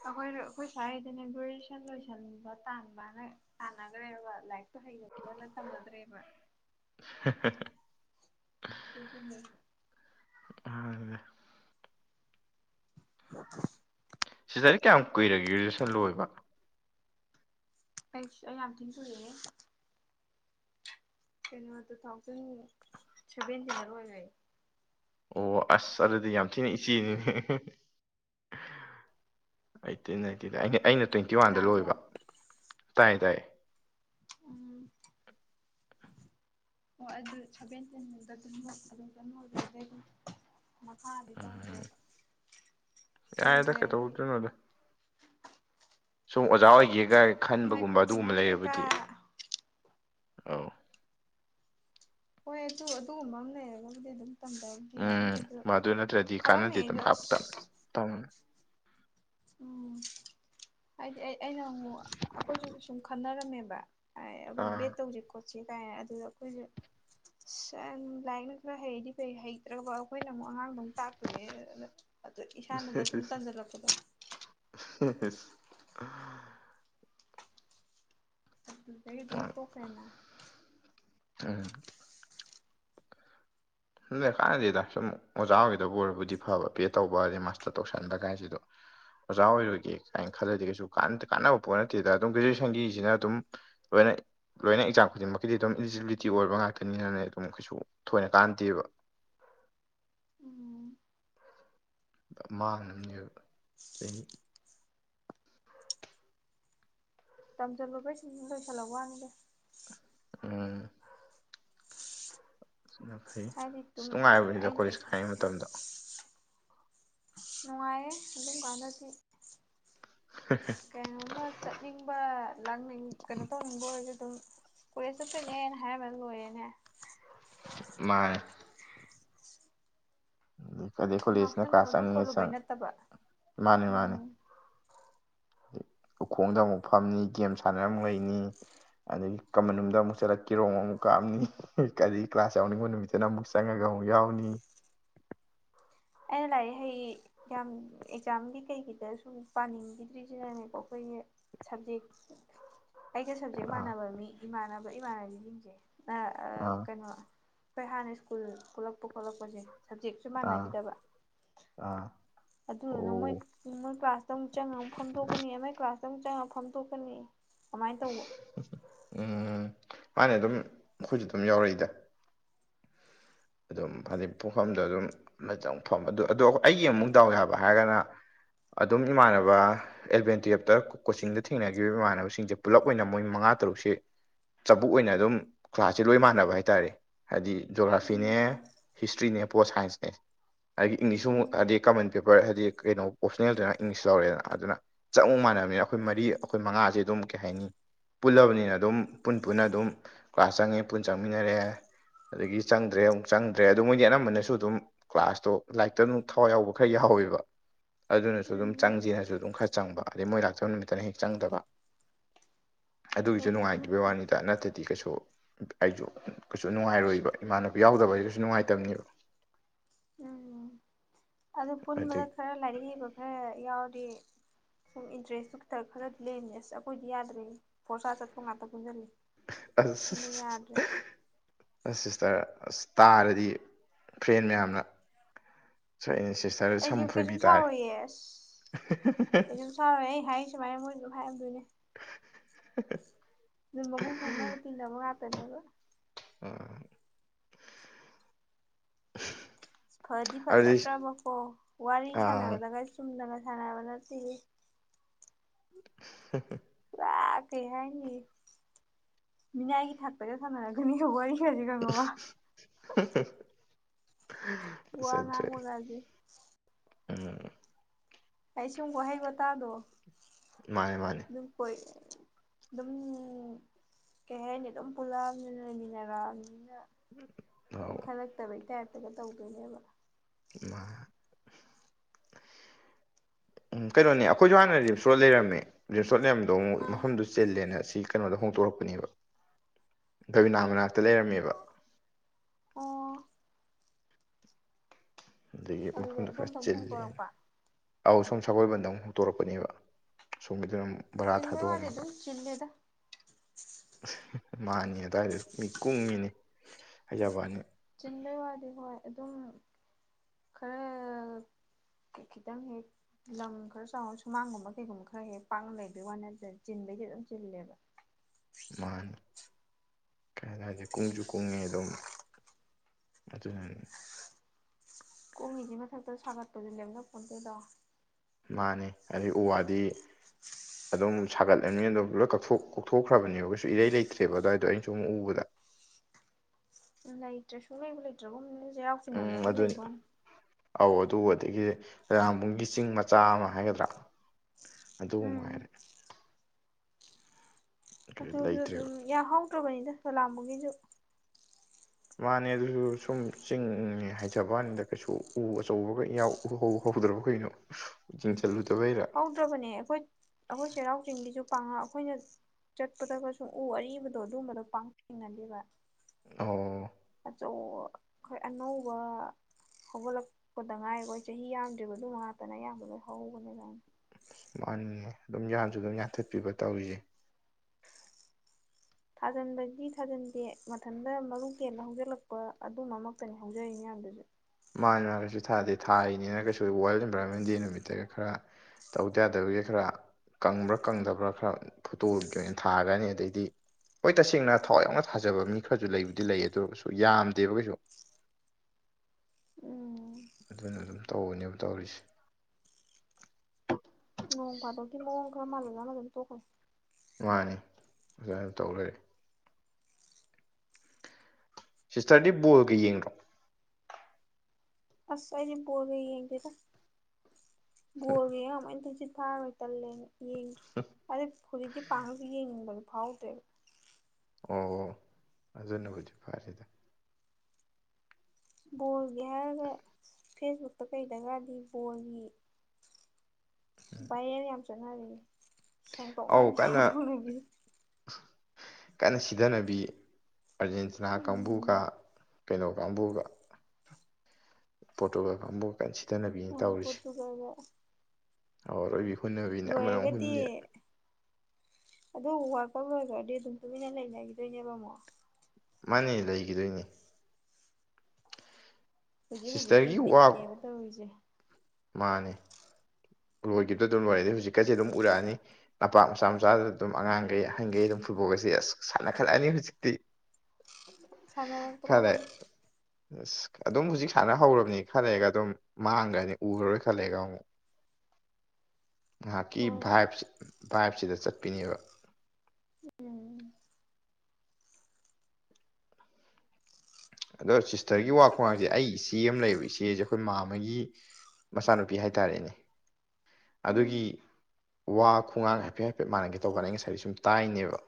ꯑꯩꯈꯣꯏ ꯑꯩꯈꯣꯏ ꯁ꯭ꯋꯥꯏꯗꯅꯦ ꯒ꯭ꯔꯦꯖ꯭ꯌꯦꯁꯟ ꯂꯣꯏꯁꯟꯕ ꯇꯥꯟꯕꯅ ꯇꯥꯟꯅꯈ꯭ꯔꯦꯕ ꯂꯥꯏꯛ ꯍꯩꯅꯗꯅ ꯇꯝꯅꯗ꯭ꯔꯦꯕ ꯑꯗꯨꯅꯦ *unintelligible* *inaudible* ꯁꯤꯗꯗꯤ ꯀꯌꯥꯝ ꯀꯨꯏꯔꯒꯦ ꯒ꯭ꯔꯦꯖ꯭ꯌꯦꯁꯟ ꯂꯣꯏꯕ ꯍꯩꯁ ꯑꯩ ꯌꯥꯝ ꯊꯤꯟꯅ ꯀꯨꯢꯔꯦꯍꯦ ꯀꯩꯅꯣ ꯇꯨ ꯊꯥꯎꯖꯟ ꯁꯚꯦꯟꯇꯤꯟꯗ ꯂꯣꯏꯈ꯭ꯔꯦ ꯍꯦ ꯍꯦ ꯑꯣ ꯑꯁ ꯑꯗꯨꯗꯤ ꯌꯥꯝ ꯊꯤꯅ ꯏꯆꯦꯅꯤꯅꯦ ꯑꯩꯇꯤꯟ ꯅꯥꯢꯇꯤ ꯑꯩꯅ ꯑꯩꯅ ꯇ꯭ꯋꯦꯟꯇꯤ ꯋꯥꯟꯗ ꯇꯥꯕ꯭ꯔꯥ ꯂꯣꯏꯕ ꯇꯥꯏꯌꯦ ꯇꯥꯏꯌꯦ ꯎꯝ ꯑꯣ ꯑꯗꯨ ꯁꯕꯦꯟꯇꯤꯟꯗ ꯑꯗꯨꯝ ꯑꯗꯨꯗ ꯂꯣꯏꯕꯗꯒꯤ ꯃꯈꯥꯗꯤ ꯇꯧꯗ꯭ꯔꯦ ꯎꯝ ꯌꯥꯔꯦꯗ ꯍꯥꯏꯗꯤ ꯀꯩꯗꯧꯔꯨꯗꯣꯢꯅꯣꯗ ꯁꯨꯝ ꯑꯣꯖꯥ ꯑꯣꯏꯒꯦꯒ ꯈꯟꯕꯒꯨꯝꯕ ꯃꯥꯏꯀ꯭ꯔꯣ ꯑꯗꯨꯒꯨꯝꯕ ꯐꯥꯏꯅꯥꯟꯁ ꯀꯩꯀꯥ ꯂꯩꯔꯕꯨꯗꯤ ꯑꯥꯎ ꯍꯣꯏ ꯑꯗꯨ ꯑꯗꯨꯒꯨꯝꯕ ꯑꯃ ꯂꯩꯔꯒꯕꯨꯗꯤ ꯑꯗꯨꯝ ꯇꯝꯗꯕꯗꯤ ꯌꯥꯏ ꯎꯝ ꯑꯗꯨꯗ ꯃꯗꯨ ꯅꯠꯇ꯭ꯔꯗꯤ ꯈꯜꯂꯝꯃꯦ ꯀꯥꯟꯅꯗꯦꯗ ꯑꯩꯁꯨ ꯃꯈꯥ ꯇꯝ ꯑꯁ ꯇꯝ ꯎꯝ ꯍꯥꯏꯗꯤ ꯑꯩ ꯑꯩꯅ ꯑꯃꯨꯛ ꯑꯩꯈꯣꯏꯁꯨ ꯁꯨꯝ ꯈꯟꯅꯔꯝꯃꯦꯕ ꯑꯩꯈꯣꯏ ꯑꯥ ꯕꯦꯠ ꯇꯧꯁꯤ ꯈꯣꯠꯁꯤ ꯀꯥꯏꯅ ꯑꯗꯨꯗ ꯑꯩꯈꯣꯏꯁꯨ ꯂꯥꯏꯔꯤꯛꯅ ꯈꯔ ꯍꯩꯗꯤ ꯐꯩ ꯍꯩꯇ꯭ꯔꯕ ꯑꯩꯈꯣꯏꯅ ꯑꯃꯨꯛ ꯑꯉꯥꯡꯗꯣ ꯇꯥꯛꯇꯣꯏꯅꯦ ꯑꯗ ꯏꯁꯥꯅꯗ ꯁꯨꯝ ꯇꯟꯖꯜꯂꯛꯄꯗ ꯑꯦ ꯏꯁ ꯗꯨꯗꯩ ꯑꯗꯨꯝ ꯇꯣꯛꯈ꯭ꯔꯦꯅ ꯑꯥ ꯂꯩ ꯀꯥꯢꯗꯦꯗ ꯁꯨꯝ ꯑꯣꯖꯥ ꯑꯣꯏꯒꯗꯕꯨ ꯑꯣꯏꯔꯕꯨꯗꯤ ꯐꯕ ꯕꯦꯠ ꯇꯧꯕ ꯍꯥꯢꯁꯦ ꯃꯥꯁꯇꯔ ꯇꯧꯁꯟꯕ ꯀꯥꯏꯁꯦ ꯑꯗꯨꯝ ꯑꯣꯖꯥ ꯑꯣꯏꯔꯣꯏꯒꯦ ꯀꯥꯏꯅ ꯈꯜꯂꯗꯤ ꯀꯩꯁꯨ ꯀꯥꯟꯗꯤ ꯀꯥꯟꯅꯕ ꯄꯣꯠ ꯅꯠꯇꯦꯗ ꯑꯗꯨꯝ ꯒ꯭ꯔꯦꯖꯨꯋꯦꯁꯟꯒꯤꯁꯤꯅ ꯑꯗꯨꯝ ꯂꯣꯏꯅ ꯂꯣꯏꯅ ꯑꯦꯛꯖꯥꯝ ꯈꯨꯗꯤꯡꯃꯛꯀꯤꯗꯤ ꯑꯗꯨꯝ ꯏꯂꯤꯖꯤꯕꯤꯂꯤꯇꯤ ꯑꯣꯏꯕ ꯉꯥꯛꯇꯅꯤꯅ ꯑꯗꯨꯝ ꯀꯩꯁꯨ ꯊꯣꯏꯅꯀꯥꯟ ꯏꯕ ꯎꯝ ꯃꯥꯡꯅꯕꯅꯦꯕ ꯆꯍꯤ ꯇꯝꯁꯤꯜꯂꯨꯕꯩ ꯁꯨꯝ ꯂꯣꯏꯁꯜꯂꯕꯩ ꯋꯥꯪꯅꯤꯗ ꯎꯝ ꯁꯤꯅ ꯐꯩ ꯍꯥꯏꯗꯤ ꯑꯁ ꯑꯗꯨꯝ ꯅꯨꯡꯉꯥꯏꯕꯅꯤꯗ ꯑꯩꯅ ꯀꯣꯂꯦꯖ ꯊꯥꯏꯉꯩ ꯃꯇꯝꯗꯣ ꯅꯨꯡꯉꯥꯏ ꯑꯗꯨꯝꯀꯥꯟꯗꯗꯤ ꯀꯩꯅꯣꯝꯃ ꯆꯠꯅꯤꯡꯕ ꯂꯥꯡꯅꯤꯡ ꯀꯩꯅꯣ ꯇꯧꯅꯤꯡꯕ ꯑꯣꯏꯔꯒ ꯑꯗꯨꯝ ꯀꯣꯂꯦꯁ ꯆꯠꯇꯣꯢꯅꯦ ꯍꯥꯢꯔꯝꯃꯒ ꯂꯣꯢꯔꯦꯅꯦ ꯃꯥꯅꯦ ꯀꯥꯢꯗꯩ ꯀꯣꯂꯦꯖꯅꯣ ꯀ꯭ꯂꯥꯁ ꯉꯥꯎꯁꯟꯅꯔꯨꯕ ꯆꯪꯅꯤꯡꯉ ꯈꯣꯠꯂꯨꯕꯩ ꯆꯪ ꯅꯠꯇꯕ ꯃꯥꯅꯤ ꯃꯥꯅꯤ ꯎꯝ *inaudible* ꯎꯈꯣꯡꯗ ꯑꯃꯨꯛ ꯐꯝꯅꯤ ꯒꯦꯝ ꯁꯥꯟꯅꯔ ꯑꯃꯨꯛ ꯂꯩꯅꯤ ꯑꯗꯒꯤ ꯀꯃꯟꯅꯨꯔꯨꯝꯗ ꯑꯃꯨꯛ ꯆꯠꯂ ꯀꯦꯔꯣꯝ ꯑꯃꯨꯛ ꯀꯥꯞꯅꯤ ꯀꯔꯤꯒꯤ ꯀ꯭ꯂꯥꯁ ꯌꯥꯎꯅꯤꯡꯕ ꯅꯨꯃꯤꯠꯇꯅ ꯑꯃꯨꯛ ꯆꯪꯉꯒ ꯑꯣ ꯌꯥꯎꯅꯤ *inaudible* ꯑꯩꯅ ꯂꯥꯏꯔꯤꯛ ꯍꯩ ꯌꯥꯝ ꯑꯦꯛꯖꯥꯝꯒꯤ ꯀꯩꯒꯤꯗ ꯁꯨꯝ ꯄꯥꯅꯤꯡꯈꯤꯗ꯭ꯔꯤꯁꯤꯅꯅꯦꯀꯣ ꯑꯩꯈꯣꯏ ꯁꯕꯖꯦꯛ ꯑꯩꯒ ꯁꯕꯖꯦꯛ ꯑꯥ ꯃꯥꯟꯅꯕ ꯃꯤ ꯏꯃꯥꯟꯅꯕ ꯏꯃꯥꯟꯅꯕꯤꯁꯤꯡꯁꯦ ꯑꯥ- ꯑꯥ- ꯀꯩꯅꯣ ꯑꯩꯈꯣꯏ ꯍꯥꯟꯅ ꯁ꯭ꯀꯨꯜ ꯄꯨꯜꯂꯛꯄ ꯈꯣꯠꯂꯛꯄꯁꯦ ꯁꯕꯖꯦꯛꯁꯨ ꯑꯥ ꯃꯥꯟꯅꯈꯤꯗꯕ ꯑꯥ ꯑꯗꯨꯗꯨꯅ ꯃꯣꯏ ꯑꯣ ꯃꯣꯏ ꯀ꯭ꯂꯥꯁꯇ ꯑꯃꯨꯛ ꯆꯪꯉ ꯑꯃꯨꯛ ꯐꯝꯗꯣꯛꯀꯅꯤ ꯑꯃꯒꯤ ꯀ꯭ꯂꯥꯁ ꯈꯤꯇꯪ ꯆꯪꯉ ꯐꯝꯗꯣꯛꯀꯅꯤ ꯑꯃꯥꯏꯅ ꯇꯧꯕ ꯊꯥꯏꯅ ꯑꯗꯨꯝ ꯑꯩꯈꯣꯏꯁꯨ ꯑꯗꯨꯝ ꯌꯥꯎꯔꯛꯏꯗ ꯑꯗꯨꯝ ꯍꯥꯏꯗꯤ ꯄꯨꯝꯐꯝꯗ ꯑꯗꯨꯝ ꯆꯪꯐꯝ ꯑꯗꯨ ꯑꯗꯣ ꯑꯩꯒꯤ ꯑꯃꯨꯛ ꯗꯥꯎ ꯌꯥꯕ ꯍꯥꯏꯔꯒꯅ ꯑꯗꯨꯝ ꯏꯃꯥꯟꯅꯕ ꯑꯦꯂꯚꯦꯟ ꯇꯨꯌꯦꯜꯞꯇ ꯀꯣꯆꯤꯡꯗ ꯊꯦꯡꯅꯈꯤꯕ ꯏꯃꯥꯟꯅꯕꯁꯤꯡꯁꯦ ꯄꯨꯜꯂꯞ ꯑꯣꯏꯅ ꯃꯣꯏ ꯃꯉꯥ ꯇꯔꯨꯛꯁꯦ ꯆꯕꯨꯨꯛ ꯑꯣꯏꯅ ꯑꯗꯨꯝ ꯀ꯭ꯂꯥꯁꯁꯦ ꯂꯣꯏ ꯃꯥꯟꯅꯕ ꯍꯥꯏꯇꯥꯥꯔꯦ ꯍꯥꯏꯗꯤ ꯖꯣꯒ꯭ꯔꯥ ꯎꯝ ꯐꯤꯅꯦ ꯍꯤꯁꯇ꯭ꯔꯤꯅꯦ ꯄꯣꯜ ꯁꯥꯏꯟꯁꯅꯦ ꯍꯥꯏꯗꯤ ꯏꯪꯂꯤꯁꯁꯨ ꯎꯝ ꯑꯃꯨꯛ ꯍꯥꯏꯗꯤ ꯀꯃꯟ ꯄꯦꯄꯔ ꯍꯥꯏꯗꯤ ꯀꯩꯅꯣ ꯑꯣꯞꯁꯅꯦꯜꯗꯨꯅ ꯏꯪꯂꯤꯁ ꯂꯧꯔꯦꯅ ꯑꯗꯨꯅ ꯆꯞ ꯃꯥꯟꯅ ꯅꯕꯅꯤꯅ ꯑꯩꯈꯣꯏ ꯃꯔꯤ ꯑꯩꯈꯣꯏ ꯃꯉꯥꯁꯦ ꯑꯗꯨꯝ ꯀꯩ ꯍꯥꯏꯅꯤ ꯄꯨꯜꯂꯕꯅꯤꯅ ꯑꯗꯨꯝ ꯄꯨꯟ ꯄꯨꯟꯅ ꯑꯗꯨꯝ ꯀ꯭ꯂꯥꯁ ꯆꯪꯉꯦ ꯄꯨꯟ ꯆꯪꯃꯤꯟꯅꯔꯦ ꯑꯗꯒꯤ ꯆꯪꯗ꯭ꯔꯦ ꯑꯃꯨꯛ ꯆꯪꯗ꯭ꯔꯦ ꯑꯗꯨ ꯃꯣꯏꯗꯤ ꯑꯅꯝꯕꯅꯁꯨ ꯑꯗꯨꯝ ꯀ꯭ꯂꯥꯁꯇꯣ ꯂꯥꯏꯔꯤꯛꯇ ꯑꯗꯨꯝ ꯊꯋꯥꯏ ꯌꯥꯎꯕ ꯈꯔ ꯌꯥꯎꯋꯦꯕ ꯑꯗꯨꯅꯁꯨ ꯑꯗꯨꯝ ꯎꯝ ꯆꯪꯁꯦꯅꯁꯨ ꯑꯗꯨꯝ ꯈꯔ ꯆꯪꯕ ꯑꯗꯩ ꯃꯣꯏ ꯂꯥꯛꯇꯕ ꯅꯨꯃꯤꯠꯇꯅ ꯍꯦꯛ ꯆꯪꯗꯕ ꯑꯗꯨꯒꯤꯁꯨ ꯑꯩ ꯅꯨꯡꯉꯥꯏꯈꯤꯕꯒꯤ ꯋꯥꯅꯤꯗ ꯅꯠꯇꯗꯤ ꯀꯩꯁꯨ ꯑꯩꯖꯨ ꯀꯩꯁꯨ ꯅꯨꯡꯉꯥꯏꯔꯣꯏꯕ ꯏꯃꯥꯟꯅꯕꯤ ꯌꯥꯎꯗꯕ ꯍꯥꯏꯁꯤꯁꯨ ꯀꯩꯁꯨ ꯅꯨꯡꯉꯥꯏꯇꯕꯅꯦꯕ ꯎꯝ ꯑꯗꯨ ꯄꯨꯟꯕꯗ ꯑꯗꯒꯤ ꯈꯔ ꯂꯥꯏꯔꯤꯛ ꯍꯩꯕ ꯈꯔ ꯌꯥꯎꯔꯗꯤ ꯁꯨꯝ ꯏꯟꯇꯔꯦꯁꯇꯨ ꯈꯤꯇꯪ ꯈꯔꯗꯤ ꯂꯩꯅꯤ ꯑꯁ ꯑꯩꯈꯣꯏꯗꯤ ꯌꯥꯗ꯭ꯔꯦꯍꯦ ꯐꯣꯔꯁꯥ ꯆꯠꯄ ꯉꯥꯛꯇ ꯄꯨꯟꯖꯜꯂꯦ ꯑꯁ ꯁꯤꯁꯇꯔ ꯇꯥꯔꯗꯤ ꯐ꯭ꯔꯦꯟ ꯃꯌꯥꯝꯅ ꯅ ꯁꯤꯁꯇꯔ ꯁꯝ ꯑꯩꯁꯨ ꯐꯣꯏꯕꯤ ꯀꯩꯁꯨꯝ ꯇꯥꯔꯦ ꯁꯥꯎꯔꯣꯏꯌꯦ ꯑꯁ ꯀꯩꯁꯨꯝ ꯁꯥꯎꯔꯣꯏ ꯑꯩ ꯍꯥꯏ ꯁꯨꯃꯥꯏꯅ ꯃꯣꯏ ꯑꯗꯨꯝ ꯍꯥꯏꯔꯝꯗꯣꯏꯅꯦ *inaudible* ꯂꯣꯏꯅ ꯃꯒꯨꯟ ꯈꯪꯅꯔ ꯇꯤꯟꯅꯕ ꯉꯥꯛꯇꯅꯦꯕ *unintelligible* ꯐꯗꯤ ꯑꯗꯨꯗꯤ ꯐꯖꯗ꯭ꯔꯕꯀꯣ ꯋꯥꯔꯤ ꯑ ꯁꯥꯟꯅꯕꯗꯒ ꯆꯨꯝꯅꯒ ꯁꯥꯟꯅꯕ ꯅꯠꯇꯦꯍꯦ *unintelligible* ꯄꯨꯔꯥ ꯀꯩ ꯍꯥꯏꯅꯤ ꯃꯤꯅꯥꯏꯒꯤ ꯊꯥꯛꯇꯒ ꯁꯥꯟꯅꯔꯒꯅꯤ ꯋꯥꯔꯤ ꯖꯤ ꯈꯪꯉꯕ ꯋꯥ ꯐꯖꯗꯔꯦ ꯉꯥꯡꯕꯒꯁꯦ ꯎꯝ ꯍꯥꯏ ꯁꯨꯝ ꯋꯥꯍꯩ ꯋꯇꯥꯗꯣ ꯃꯥꯅꯦ ꯃꯥꯅꯦ ꯑꯗꯨꯝ ꯀꯣꯏ ꯑꯗꯨꯝ ꯀꯩ ꯍꯥꯏꯅꯤ ꯑꯗꯨꯝ ꯄꯨꯂꯛꯑꯕꯅꯤꯅ ꯂꯩꯃꯤꯟꯅꯔꯛꯑꯕꯅꯤꯅ ꯅ ꯀꯩꯝ ꯑꯧ ꯈꯜꯂꯛꯇꯕꯩ ꯇꯥꯏꯞꯇꯒ ꯇꯧꯗꯣꯏꯅꯦꯕ ꯃꯥ ꯎꯝ ꯀꯩꯅꯣꯅꯦ ꯑꯈꯣꯏꯖꯨ ꯍꯥꯟꯅ ꯔꯤꯝꯁ ꯔꯣꯗ ꯂꯩꯔꯝꯃꯦ ꯔꯣꯗ ꯂꯩꯔꯝꯕꯗꯣ ꯑꯃꯨꯛ ꯑꯥ ꯃꯐꯝꯗꯣ ꯆꯤꯜꯂꯦꯅ ꯑꯁꯤ ꯁꯤ ꯀꯩꯅꯣꯗ ꯍꯣꯡꯇꯣꯔꯛꯄꯅꯦꯕ ꯕꯕꯤꯅꯥ ꯃꯅꯥꯛꯇ ꯂꯩꯔꯝꯃꯦꯕ ꯑꯣ ꯑꯗꯒꯤ ꯑꯗꯨꯗ ꯃꯐꯝꯗꯣ ꯈꯔ ꯑꯗꯣꯝꯇꯪ ꯆꯤꯜꯂꯦ ꯍꯣꯡꯇꯣꯔꯛꯄ ꯑꯧ ꯁꯣꯝ ꯁꯒꯣꯜꯕꯟꯗ ꯑꯃꯨꯛ ꯍꯣꯡꯇꯣꯔꯛꯄꯅꯦꯕ ꯁꯣꯝꯒꯤꯗꯨꯅ ꯚꯔꯥ ꯆꯤꯟꯕꯩ ꯋꯥꯗꯤ ꯊꯥꯗꯣꯛꯑꯝꯃꯒ ꯑꯗꯨꯝ ꯆꯤꯜꯂꯦꯗ ꯃꯥꯅꯤ ꯑꯗꯋꯥꯏꯗꯖꯨ ꯃꯤ ꯀꯨꯡꯉꯤꯅꯤ ꯍꯥꯏꯖꯕꯥꯅꯤ ꯆꯤꯟꯕꯩ ꯋꯥꯗꯤ ꯍꯣꯏ ꯑꯗꯨꯝ ꯈꯔ ꯈꯤꯇꯪ ꯍꯦꯛ ꯂꯝ ꯈꯔ ꯆꯥꯎ ꯁꯨꯃꯥꯡꯒꯨꯝꯕ ꯀꯩꯒꯨꯝꯕ ꯈꯔ ꯍꯦꯛ ꯄꯥꯛꯅ ꯂꯩꯕꯩ ꯋꯥꯅꯤ ꯅꯠꯇ꯭ꯔꯗꯤ ꯑꯗꯨꯝ ꯆꯤꯜꯂꯦꯕ ꯃꯥꯅꯦ ꯀꯗꯥꯏꯗꯩꯩ ꯀꯨꯡꯁꯨ ꯀꯨꯡꯉꯦ ꯑꯗꯨꯝ ꯑꯗꯨꯅꯅꯤ ꯀꯨꯡꯉꯤꯖꯤ ꯃꯊꯛꯇ ꯁꯥꯒꯠꯄꯖꯨ ꯂꯦꯞꯅꯄꯣꯟꯇꯦꯗꯣ ꯃꯥꯅꯦ ꯑꯗꯩ ꯎ ꯋꯥꯗꯤ ꯑꯗꯨꯝ ꯁꯥꯒꯠꯂꯕꯅꯤꯅ ꯑꯗꯨꯝ ꯀꯛꯊꯣꯛ ꯀꯣꯛꯊꯣꯛꯈ꯭ꯔꯕꯅꯦꯕ ꯍꯨꯖꯤꯛ ꯏꯔꯩ ꯂꯩꯇ꯭ꯔꯦꯕ ꯑꯗꯨꯋꯥꯏꯗꯣ ꯑꯩꯅ ꯁꯨꯝ ꯎꯕꯗ ꯂꯩꯇ꯭ꯔꯁꯨ ꯁꯨꯛꯂꯩꯕꯨ ꯂꯩꯇ꯭ꯔꯒꯨꯝꯅꯤ ꯆꯩꯔꯥꯎꯆꯤꯡꯔꯣꯝꯗ ꯎꯝ ꯈꯔ ꯑꯗꯨ ꯂꯩꯕ ꯋꯥꯅꯤ ꯑꯧ ꯑꯗꯨ ꯑꯗꯒꯤ ꯑꯔꯥꯝꯕꯨꯡꯒꯤ ꯆꯤꯡ ꯃꯆꯥ ꯑꯃ ꯍꯥꯏꯒꯗ꯭ꯔꯥ ꯑꯗꯨ ꯎꯝ ꯃꯉꯥꯏꯔꯦ ꯑꯗꯨꯖꯨ ꯑꯗꯨꯝ ꯂꯩꯇ꯭ꯔꯦꯕ ꯌꯥꯍꯧꯗ꯭ꯔꯥꯕꯅꯤꯗ ꯂꯂꯥꯝꯕꯨꯡꯒꯤꯖꯨ ꯃꯥꯅꯦ ꯑꯗꯨꯁꯨ ꯁꯨꯝ ꯆꯤꯡꯅꯦ ꯍꯥꯏꯖꯕꯋꯥꯅꯤꯗ ꯀꯩꯁꯨ ꯎ ꯑꯆꯧꯕꯒ ꯏꯌꯥꯎ ꯎꯍꯧ ꯍꯧ ꯎꯗ꯭ꯔꯕ ꯀꯩꯅꯣ ꯌꯦꯡꯁꯤꯜꯂꯨꯗꯕꯩꯔ ꯍꯧꯗ꯭ꯔꯕꯅꯦ ꯑꯩꯈꯣꯏ ꯑꯩꯈꯣꯏ ꯆꯩꯔꯥꯎ ꯆꯤꯡꯒꯤꯖꯨ ꯄꯥꯡ ꯑꯩꯈꯣꯏꯅ ꯆꯠꯄꯗꯒ ꯁꯨꯝ ꯎ ꯑꯔꯤꯕꯗꯣ ꯑꯗꯨꯒꯝꯕꯗꯣ ꯄꯥꯛꯅ ꯊꯦꯡꯅꯗꯦꯕ ꯑꯣ ꯑꯣ ꯑꯆꯧ ꯑꯩꯈꯣꯏ ꯑꯅꯧꯕ ꯍꯧꯒꯠꯂꯛꯄꯗ ꯉꯥꯏꯔꯤꯕ ꯆꯍꯤ ꯌꯥꯝꯗ꯭ꯔꯤꯕ ꯑꯗꯨꯒꯨꯝꯕ ꯉꯥꯛꯇꯅ ꯑꯌꯥꯝꯕ ꯂꯣꯏ ꯍꯧꯍꯧꯕꯅꯦꯕ ꯃꯥꯅꯤꯅꯦ ꯑꯗꯨꯝ ꯌꯥꯟꯁꯨ ꯑꯗꯨꯝ ꯌꯥꯟꯊꯠꯄꯤꯕ ꯇꯧꯔꯤꯁꯦ *inaudible* ꯊꯥꯖꯤꯟꯕꯗꯤ ꯊꯥꯖꯤꯟꯗꯦ ꯃꯊꯟꯇ ꯃꯔꯨ ꯀꯦꯅ ꯍꯧꯖꯤꯜꯂꯛꯄ ꯑꯗꯨꯝꯕꯃꯛꯇꯅꯤ ꯍꯧꯖꯔꯤ ꯃꯌꯥꯝꯁꯦ ꯑꯗꯨꯁꯨ ꯃꯥꯅꯦ ꯃꯥꯅꯦ ꯀꯩꯁꯨ ꯊꯥꯗꯦ ꯊꯥꯔꯤꯅꯦꯅ ꯀꯩꯁꯨ ꯋꯥꯔꯜ ꯏꯟꯚꯥꯏꯔꯣꯟꯃꯦꯟ ꯗꯦ ꯅꯨꯃꯤꯠꯇꯒ ꯈꯔ ꯇꯧꯗ ꯌꯥꯗꯕꯒꯤ ꯈꯔ ꯀꯪꯕ꯭ꯔꯥ ꯀꯪꯗꯕ꯭ꯔꯥ ꯈꯔ ꯐꯨꯛꯇꯣꯑꯒ ꯀꯔꯤꯅꯣ ꯊꯥꯈ꯭ꯔꯅꯤ ꯑꯗꯩꯗꯤ ꯍꯣꯏ ꯇꯁꯦꯡꯅ ꯊꯋꯥꯏ ꯌꯥꯎꯅ ꯊꯥꯖꯕ ꯃꯤ ꯈꯔꯁꯨ ꯂꯩꯕꯨꯗꯤ ꯂꯩ ꯑꯗꯨꯁꯨ ꯌꯥꯝꯗꯦꯕ ꯀꯩꯁꯨ *inaudible* ꯎꯝ ꯑꯗꯨꯅ ꯑꯗꯨꯝ ꯇꯧꯕꯅꯦꯕ ꯇꯧꯔꯤꯁꯦ ꯃꯣꯡꯐꯥꯗꯣꯛ ꯀꯤ ꯃꯑꯣꯡ ꯈꯔ ꯃꯥꯜꯍꯜꯂꯝꯃꯒ ꯇꯣꯛꯈ꯭ꯔꯅꯤ ꯃꯥꯅꯤ ꯑꯗꯨꯃꯥꯏꯅ ꯇꯧ ꯂꯩꯔꯦ ꯁꯤꯁꯇꯔꯗꯤ ꯕꯣꯜꯒ ꯌꯦꯡꯗ꯭ꯔꯣ ꯑꯁ ꯑꯩꯗꯤ ꯕꯣꯜꯒ ꯌꯦꯗꯦꯗ ꯕꯣꯜꯒ ꯌꯦꯡꯉꯒ ꯑꯃꯨꯛ ꯍꯦꯟꯅ ꯇꯨꯝꯁꯤꯠ ꯊꯥꯔꯣꯏ ꯇꯜꯂꯦꯅ ꯌꯦꯡꯗꯦ ꯍꯧꯖꯤꯛꯇꯤ ꯄꯥꯛꯅꯁꯨ ꯌꯦꯡꯅꯤꯡꯕꯗꯣ ꯐꯥꯎꯗꯦ ꯑꯣ ꯑꯗꯨꯅꯕꯨꯗꯤ ꯐꯔꯦꯗ ꯕꯣꯜꯒꯤ ꯍꯥꯏꯔꯒ ꯐꯦꯁꯕꯨꯛꯇ ꯀꯩꯔꯤꯗꯒꯇꯤ ꯕꯣꯜꯒꯤ ꯚꯥꯏꯔꯦꯜ ꯌꯥꯝ ꯆꯠꯅꯕꯅꯤ ꯑꯧ ꯁꯦꯡꯗꯣꯛꯅꯕꯤ ꯀꯟꯅ ꯈꯣꯠꯇꯣꯛꯅꯕꯤ ꯀꯟꯅ ꯁꯤꯊꯅꯕꯤ ꯑꯥꯔꯖꯦꯟꯇꯤꯅꯥ ꯎꯝ ꯀꯥꯡꯕꯨꯒ ꯀꯩꯅꯣ ꯀꯥꯡꯕꯨꯒ ꯄꯣꯇꯣꯒ꯭ꯔ ꯀꯥꯡꯕꯨꯒ ꯀꯟꯅ ꯁꯤꯊꯅꯕꯤꯅꯤ ꯇꯧꯔꯤꯁꯦ ꯄꯣꯔꯇꯨꯒꯜꯒ ꯑꯣꯔ ꯑꯔꯣꯏꯕꯤꯗ ꯍꯨꯟꯅꯕꯤꯅꯦ ꯑꯃꯅ ꯑꯃꯨꯛ ꯍꯨꯟꯅꯤ ꯑꯃꯨꯛ ꯑꯗꯨꯕꯨ ꯋꯥꯜꯀꯞ ꯂꯣꯏꯈ꯭ꯔꯗꯤ ꯑꯗꯨꯝ ꯇꯨꯃꯤꯟꯅ ꯂꯩꯅꯈꯤꯗꯣꯏꯅꯦꯕ ꯑꯃꯨꯛ ꯃꯥꯅꯦ ꯂꯩꯈꯤꯗꯣꯏꯅꯦ ꯍꯧꯖꯤꯛ ꯍꯧꯖꯤꯛꯀꯤ ꯁꯤꯁꯇꯔꯒꯤ ꯋꯥꯛ ꯕꯤꯠꯅꯦꯕ ꯇꯧꯔꯤꯁꯦ ꯃꯥꯅꯦ ꯂꯣꯏꯈꯤꯕꯗ ꯑꯗꯨꯝ ꯂꯣꯏꯔꯦ ꯍꯧꯖꯤꯛꯀꯁꯦ ꯑꯗꯨꯝ ꯎꯔꯛꯑꯅꯤ ꯂꯝꯄꯥꯛ ꯃꯆꯥ ꯃꯆꯥꯗ ꯑꯗꯨꯝ ꯑꯉꯥꯡꯈꯩ ꯑꯍꯟꯈꯩ ꯑꯗꯨꯝ ꯐꯨꯠꯕꯣꯜꯒꯁꯦ ꯑꯁ ꯁꯥꯟꯅ ꯈꯠꯂꯛꯑꯅꯤ ꯍꯧꯖꯤꯛꯇꯤ ꯈꯔ ꯁꯥꯟꯅꯔꯛꯇ꯭ꯔꯣꯕꯅꯤ ꯂꯩꯔ ꯑꯁ ꯑꯗꯨꯝ ꯍꯧꯖꯤꯛ ꯁꯥꯟꯅ ꯍꯧꯔꯕꯅꯤ ꯈꯜ ꯂꯩꯔꯒ ꯑꯗꯨꯝ ꯃꯥꯡꯒ꯭ꯔꯅꯤ ꯎꯈꯔꯣꯏ ꯈꯔ ꯂꯩꯔꯒ ꯑꯃꯨꯛ ꯉꯥꯏꯍꯥꯛꯀꯤ ꯍꯣꯏ ꯚꯥꯏꯞꯁꯦ ꯚꯥꯏꯞꯁꯤꯗ ꯆꯠꯄꯤꯅꯦꯕ ꯎꯝ ꯑꯗꯣ ꯁꯤꯁꯇꯔꯒꯤ ꯋꯥ ꯈꯣꯠꯉꯥꯡꯁꯦ ꯑꯩ ꯏꯆꯦ ꯑꯃ ꯂꯩꯌꯦꯕ ꯏꯆꯦꯁꯦ ꯑꯩꯈꯣꯏ ꯃꯥꯃꯃꯒꯤ ꯃꯆꯥꯅꯨꯄꯤ ꯍꯥꯏꯇꯥꯔꯦꯅꯦ ꯎꯝ ꯑꯗꯨꯒꯤ ꯋꯥ ꯈꯣꯡꯒꯥꯡ ꯍꯥꯏꯐꯦꯠ ꯍꯥꯏꯐꯦꯠ ꯃꯥꯟꯅꯒꯦ ꯇꯧꯕꯅ ꯑꯩ ꯉꯁꯥꯏ ꯁꯨꯝ ꯇꯥꯏꯅꯦꯕ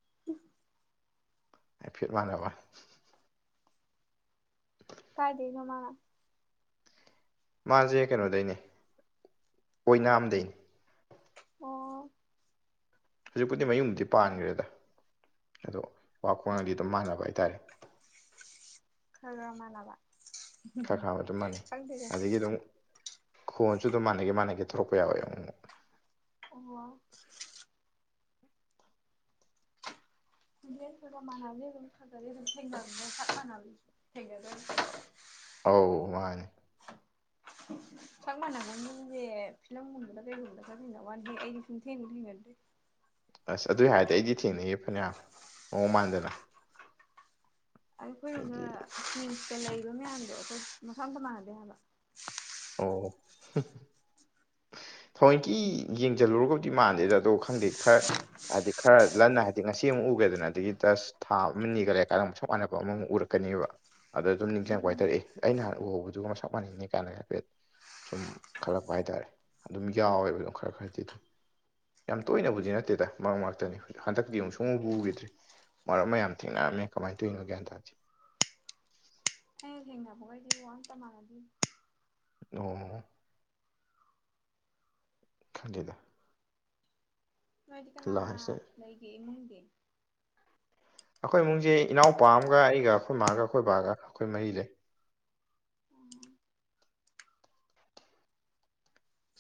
*unintelligible* ꯍꯥꯢꯐꯤꯠ ꯃꯥꯟꯅꯕ ꯀꯥꯏꯗꯩꯅꯣ ꯃꯥꯅ ꯃꯥꯖꯦ ꯀꯩꯅꯣꯗꯩꯅꯦ ꯑꯣꯏꯅꯥꯝ ꯗꯩꯅꯦ ꯑꯣ ꯍꯧꯖꯤꯛ ꯄꯨꯗꯤ ꯃꯌꯨꯝꯕꯨꯗꯤ ꯄꯥꯟꯈ꯭ꯔꯦꯗ ꯑꯗꯣ ꯋꯥ ꯈꯨꯉꯥꯡ ꯒꯪꯗꯤ ꯑꯗꯨꯝ ꯃꯥꯟꯅꯕ ꯍꯥꯏꯇꯥꯔꯦ ꯈꯔ ꯃꯟꯅꯕ ꯈꯔ ꯈꯥ ꯑꯗꯨꯝ ꯃꯥꯟꯅꯩ ꯑꯗꯒꯤ ꯑꯗꯨꯝ ꯈꯣꯟꯁꯨ ꯑꯗꯨꯝ ꯃꯥꯟꯅꯒꯦ ꯃꯥꯟꯅꯒꯦ ꯊꯧꯔꯛꯄ ꯌꯥꯎꯋꯦ ꯑꯃꯨ ꯃꯨꯛ ꯑꯣ ꯈꯣꯟꯖꯦꯟ ꯈꯔ ꯈꯔ ꯃꯟꯕꯗꯤ ꯑꯗꯨꯝ ꯈꯔ ꯈꯔꯗꯤ ꯊꯦꯡꯅꯕꯅꯦ ꯁꯛ ꯃꯟꯅꯕꯁꯦ ꯊꯦꯡꯅꯗꯕꯅꯦ ꯑꯧ ꯃꯥꯅꯦ *inaudible* ꯁꯛ ꯃꯥꯟꯅꯕ ꯃꯤꯡꯖꯦ ꯐꯤꯂꯝꯒꯨꯝꯕꯗ ꯀꯩꯒꯨꯝꯕꯗ ꯈ꯭ꯔ ꯊꯦꯡꯅꯋꯥꯅꯦ ꯍꯦ ꯑꯩꯗꯤ ꯁꯨꯡꯊꯦꯡꯕꯨ ꯊꯦꯡꯅꯗ꯭ꯔꯤ ꯑꯁ ꯑꯗꯨꯏ ꯍꯥꯏꯔꯗꯤ ꯑꯩꯗꯤ ꯊꯦꯡꯅꯩꯌꯦ ꯐꯅꯌꯥꯝ ꯃꯑꯣꯡ ꯃꯥꯟꯗꯅ ꯑꯩꯈꯣꯏꯗ ꯍꯥꯏꯗꯤ ꯇ꯭ꯨꯋꯤꯟꯁꯀ ꯂꯩꯕ ꯃꯌꯥꯝꯗꯣ ꯃꯁꯛ ꯑꯝꯇ ꯃꯥꯟꯅꯗꯦ ꯍꯥꯏꯕ ꯑꯣ ꯊꯑꯣꯏꯀꯤ ꯌꯦꯡꯁꯤꯜꯂꯨꯔꯒꯕꯨꯗꯤ ꯃꯥꯟꯗꯦꯗ ꯑꯗꯣ ꯈꯪꯗꯦ ꯈꯔ ꯍꯥꯏꯗꯤ ꯈꯔ ꯂꯟꯅ ꯍꯥꯏꯗꯤ ꯉꯁꯤ ꯑꯃꯨꯛ ꯎꯒ꯭ꯔꯦꯗꯅ ꯑꯗꯒꯤ ꯖꯁꯠ ꯊꯥ ꯑꯃ ꯅꯤꯒ ꯂꯩꯔꯀꯥꯟꯗ ꯑꯃꯨꯛ ꯁꯞ ꯃꯥꯟꯅꯕ ꯑꯃꯨꯛ ꯎꯔꯛꯀ ꯑꯗꯣ ꯑꯗꯨꯝ ꯅꯤꯡꯁꯤꯡꯕ ꯍꯥꯢ ꯎꯝ ꯇꯔꯦ ꯑꯦ ꯑꯩꯅ ꯍꯥꯟꯅ ꯎꯍꯧꯕꯗꯨꯒ ꯃꯁꯛ ꯃꯥꯟꯅꯩꯅꯦ ꯀꯥꯏꯅꯒ ꯍꯥꯏꯐꯦꯠ ꯁꯨꯝ ꯈꯜꯂꯛꯄ ꯍꯥꯏꯇꯥꯔꯦ ꯑꯗꯨꯝ ꯌꯥꯎꯋꯦꯕ ꯑꯗꯨꯝ ꯈꯔ ꯈꯔꯗꯤ ꯑꯗꯨꯝ ꯌꯥꯝ ꯇꯣꯏꯅꯕꯨꯗꯤ ꯅꯠꯇꯦꯗ ꯃꯔꯛ ꯃꯔꯛꯇꯅꯤ ꯍꯟꯗꯛꯇꯤ ꯑꯃꯨꯛ ꯁꯨꯡꯎꯕꯨ ꯎꯈꯤꯗ꯭ꯔꯦ ꯃꯔꯝ ꯃ ꯌꯥꯝ ꯊꯦꯡꯅꯔꯝꯃꯦ ꯀꯃꯥꯏꯅ ꯇꯧꯔꯤꯅꯣ ꯒ꯭ꯌꯥꯟ ꯇꯥꯗꯦ ꯑꯩꯅ ꯊꯦꯡꯅꯕꯒꯩꯗꯤ ꯋꯥ ꯑꯝꯇ ꯃꯥꯅꯗꯦ ꯑꯣ ꯈꯪꯗꯦꯗ ꯅꯣꯏꯗꯤ ꯀꯅꯥ ꯀꯅꯥ ꯂꯥꯏꯁꯦ ꯂꯩꯒꯦ ꯏꯃꯨꯡꯗꯤ ꯑꯩꯈꯣꯏ ꯏꯃꯨꯡꯁꯦ ꯏꯅꯥꯎꯄꯥ ꯑꯃꯒ ꯑꯩꯒ ꯑꯩꯈꯣꯏ ꯃꯥꯒ ꯑꯩꯈꯣꯏ ꯕꯥꯒ ꯑꯩꯈꯣꯏ ꯃꯔꯤ ꯂꯩ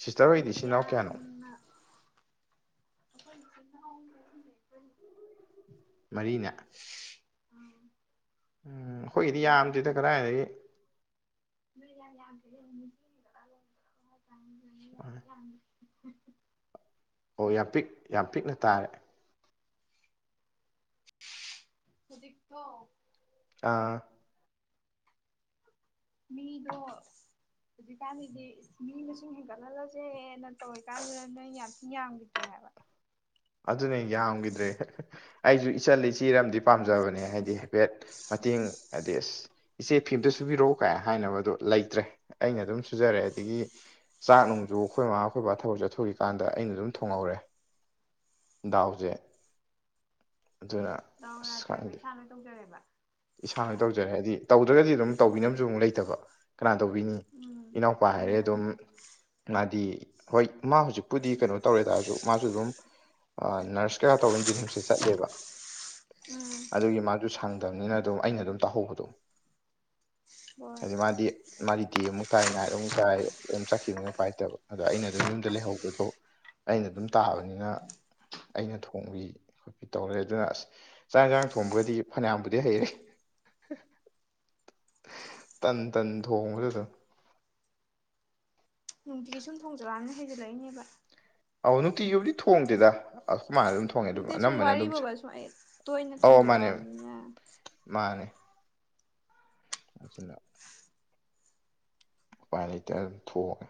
ꯁꯤꯁꯇꯔ ꯍꯣꯏꯗꯤ ꯢꯆꯤꯜ ꯢꯅꯥꯎ ꯀꯌꯥꯅꯣ ꯑꯩꯈꯣꯢ ꯢꯆꯤꯟ ꯢꯅꯥꯎ ꯃꯔꯤꯅꯦ *inaudible* ꯃꯔꯤꯅꯦ ꯎꯝ ꯑꯈꯣꯏꯒꯤꯗꯤ ꯌꯥꯝꯗꯦꯗ ꯀꯗꯥꯥꯏꯗꯒꯤ ꯅꯣꯢꯗꯤ ꯌꯥꯝ ꯌꯝꯗꯦ *unintelligible* ꯑꯣ ꯌꯥꯝ ꯄꯤꯛ ꯌꯥꯝ ꯄꯤꯛꯅ ꯇꯥꯔꯦ ꯍꯧꯖꯤꯛꯇꯣ ꯑꯥ ꯃꯤꯗꯣ ꯍꯧꯖꯤꯛꯀꯥꯟꯖꯤꯗꯤ ꯃꯤ ꯃꯁꯤꯡ ꯍꯦꯟꯒꯠ ꯍꯜꯂꯁꯦꯅ ꯇꯧꯔꯤꯀꯥꯟꯗꯨꯗ ꯅꯣꯏ ꯌꯥꯝ ꯊꯤ ꯌꯥꯝꯈꯤꯗ꯭ꯔꯦ ꯍꯥꯢꯕ *inaudible* ꯑꯗꯨꯅꯦ ꯌꯥꯝꯈꯤꯗ꯭ꯔꯦ ꯑꯩꯁꯨ ꯏꯆꯜꯂ ꯢꯆꯦꯔ ꯑꯝꯗꯤ ꯄꯥꯝꯖꯕꯅꯦ ꯍꯥꯏꯗꯤ ꯍꯥꯏꯐꯦꯠ ꯃꯇꯦꯡ ꯍꯥꯏꯗꯤ ꯑꯁ ꯏꯆꯦ ꯐꯤ ꯑꯝꯇ ꯁꯨꯕꯤꯔꯛꯎ ꯀꯥꯏ ꯍꯥꯏꯅꯕꯗꯣ ꯂꯩꯇ꯭ꯔꯦ ꯑꯩꯅ ꯑꯗꯨꯝ ꯁꯨꯖꯔꯦ ꯑꯗꯒꯤ ꯆꯥꯛ ꯅꯨꯡꯖꯨ ꯑꯩꯈꯣꯏ ꯃꯃꯥ ꯑꯩꯈꯣꯏ ꯕꯥ ꯊꯕꯛ ꯆꯠꯊꯣꯛꯏꯀꯥꯟꯗ ꯑꯩꯅ ꯑꯗꯨꯝ ꯊꯣꯡꯍꯧꯔꯦ *inaudible* ꯗꯥꯎꯖꯦ ꯑꯗꯨꯅ ꯗꯥꯎ ꯑꯁ ꯌꯥꯗ꯭ꯔꯦꯕ ꯈꯪꯗꯦ ꯏꯁꯥ ꯂꯣꯏ ꯇꯧꯖꯔꯦꯕ ꯏꯁꯥꯅ ꯂꯣꯏ ꯇꯧꯖꯔꯦ ꯍꯥꯏꯗꯤ ꯇꯧꯗ꯭ꯔꯒꯗꯤ ꯑꯗꯨꯝ ꯇꯧꯕꯤꯅꯕꯁꯨ ꯑꯃꯨꯛ ꯂꯩꯇꯕ ꯀꯅꯥ ꯇꯧꯕꯤꯅꯤ ꯎꯝ ꯏꯅꯥꯎꯄꯥ ꯍꯥꯏꯔꯦ ꯎꯝ ꯑꯗꯨꯝ ꯃꯥꯗꯤ ꯍꯣꯏ ꯃꯥ ꯍꯧꯖꯤꯛꯄꯨꯗꯤ ꯀꯩꯅꯣ ꯇꯧꯔꯦꯗ ꯑꯩꯖꯨ ꯃꯥꯁꯨ ꯑꯗꯨꯝ ꯑ ꯅꯔꯁ ꯈꯔ ꯇꯧꯕꯩ ꯖꯦꯅꯤꯝꯁꯇ ꯆꯠꯂꯦꯕ ꯎꯝ ꯑꯗꯨꯒꯤ ꯃꯥꯁꯨ ꯁꯥꯡꯗꯝꯅꯤꯅ ꯑꯗꯨꯝ ꯑꯩꯅ ꯑꯗꯨꯝ ꯇꯧꯍꯧꯕꯗꯣ ꯍꯣꯏ ꯍꯥꯏꯗꯤ ꯃꯥꯗꯤ ꯃꯥꯒꯤꯗꯤ ꯑꯃꯨꯛ ꯇꯥꯏ ꯅꯥꯏꯠ ꯑꯗꯨꯝ ꯇꯥꯏ ꯑꯗꯨꯝ ꯆꯠꯈꯤꯕꯅꯤ ꯎꯄꯥꯏ ꯂꯩꯇꯕ ꯑꯗꯣ ꯑꯩꯅ ꯑꯗꯨꯝ ꯌꯨꯝꯗ ꯂꯩꯍꯧꯕꯗꯣ ꯑꯩꯅ ꯑꯗꯨꯝ ꯇꯥꯕꯅꯤꯅ ꯑꯩꯅ ꯊꯣꯡꯕꯤ ꯈꯣꯠꯄꯤ ꯇꯧꯔꯦ ꯑꯗꯨꯅ ꯑꯁ ꯆꯥꯛ ꯌꯦꯟꯁꯥꯡ ꯊꯣꯡꯕꯒꯗꯤ ꯐꯅꯌꯥꯝꯕꯨꯗꯤ ꯍꯩꯔꯦ *inaudible* ꯇꯟ ꯇꯟ ꯊꯣꯡꯕꯁꯨ ꯑꯗꯨꯝ ꯅꯨꯡꯇꯤꯒꯤ ꯁꯨꯝ ꯊꯣꯡꯖꯜꯂꯛꯑꯝꯅꯤꯅ ꯍꯩꯖꯤꯜꯂꯛꯏꯅꯦꯕ ꯑꯧ ꯅꯨꯡꯇꯤꯒꯤꯕꯨꯗꯤ ꯊꯣꯡꯗꯦꯗ ꯑ ꯈꯨꯃꯅ ꯑꯗꯨꯝ ꯊꯣꯡꯉꯦ ꯑꯗꯨꯝ ꯅꯠꯇꯦ ꯁꯨꯝ ꯑꯅꯝꯕꯅ ꯑꯗꯨꯝ ꯋꯥꯔꯤꯕꯣꯕ ꯁꯨꯝ ꯑꯩ ꯇꯣꯏꯅ ꯑꯧ ꯃꯥꯅꯦ ꯊꯣꯡꯖꯜꯂꯛꯑꯕꯅꯤꯅ ꯃꯥꯅꯦ *inaudible* ꯎꯄꯥꯏ ꯂꯩꯇꯦ ꯑꯗꯨꯝ ꯊꯣꯡꯉꯦ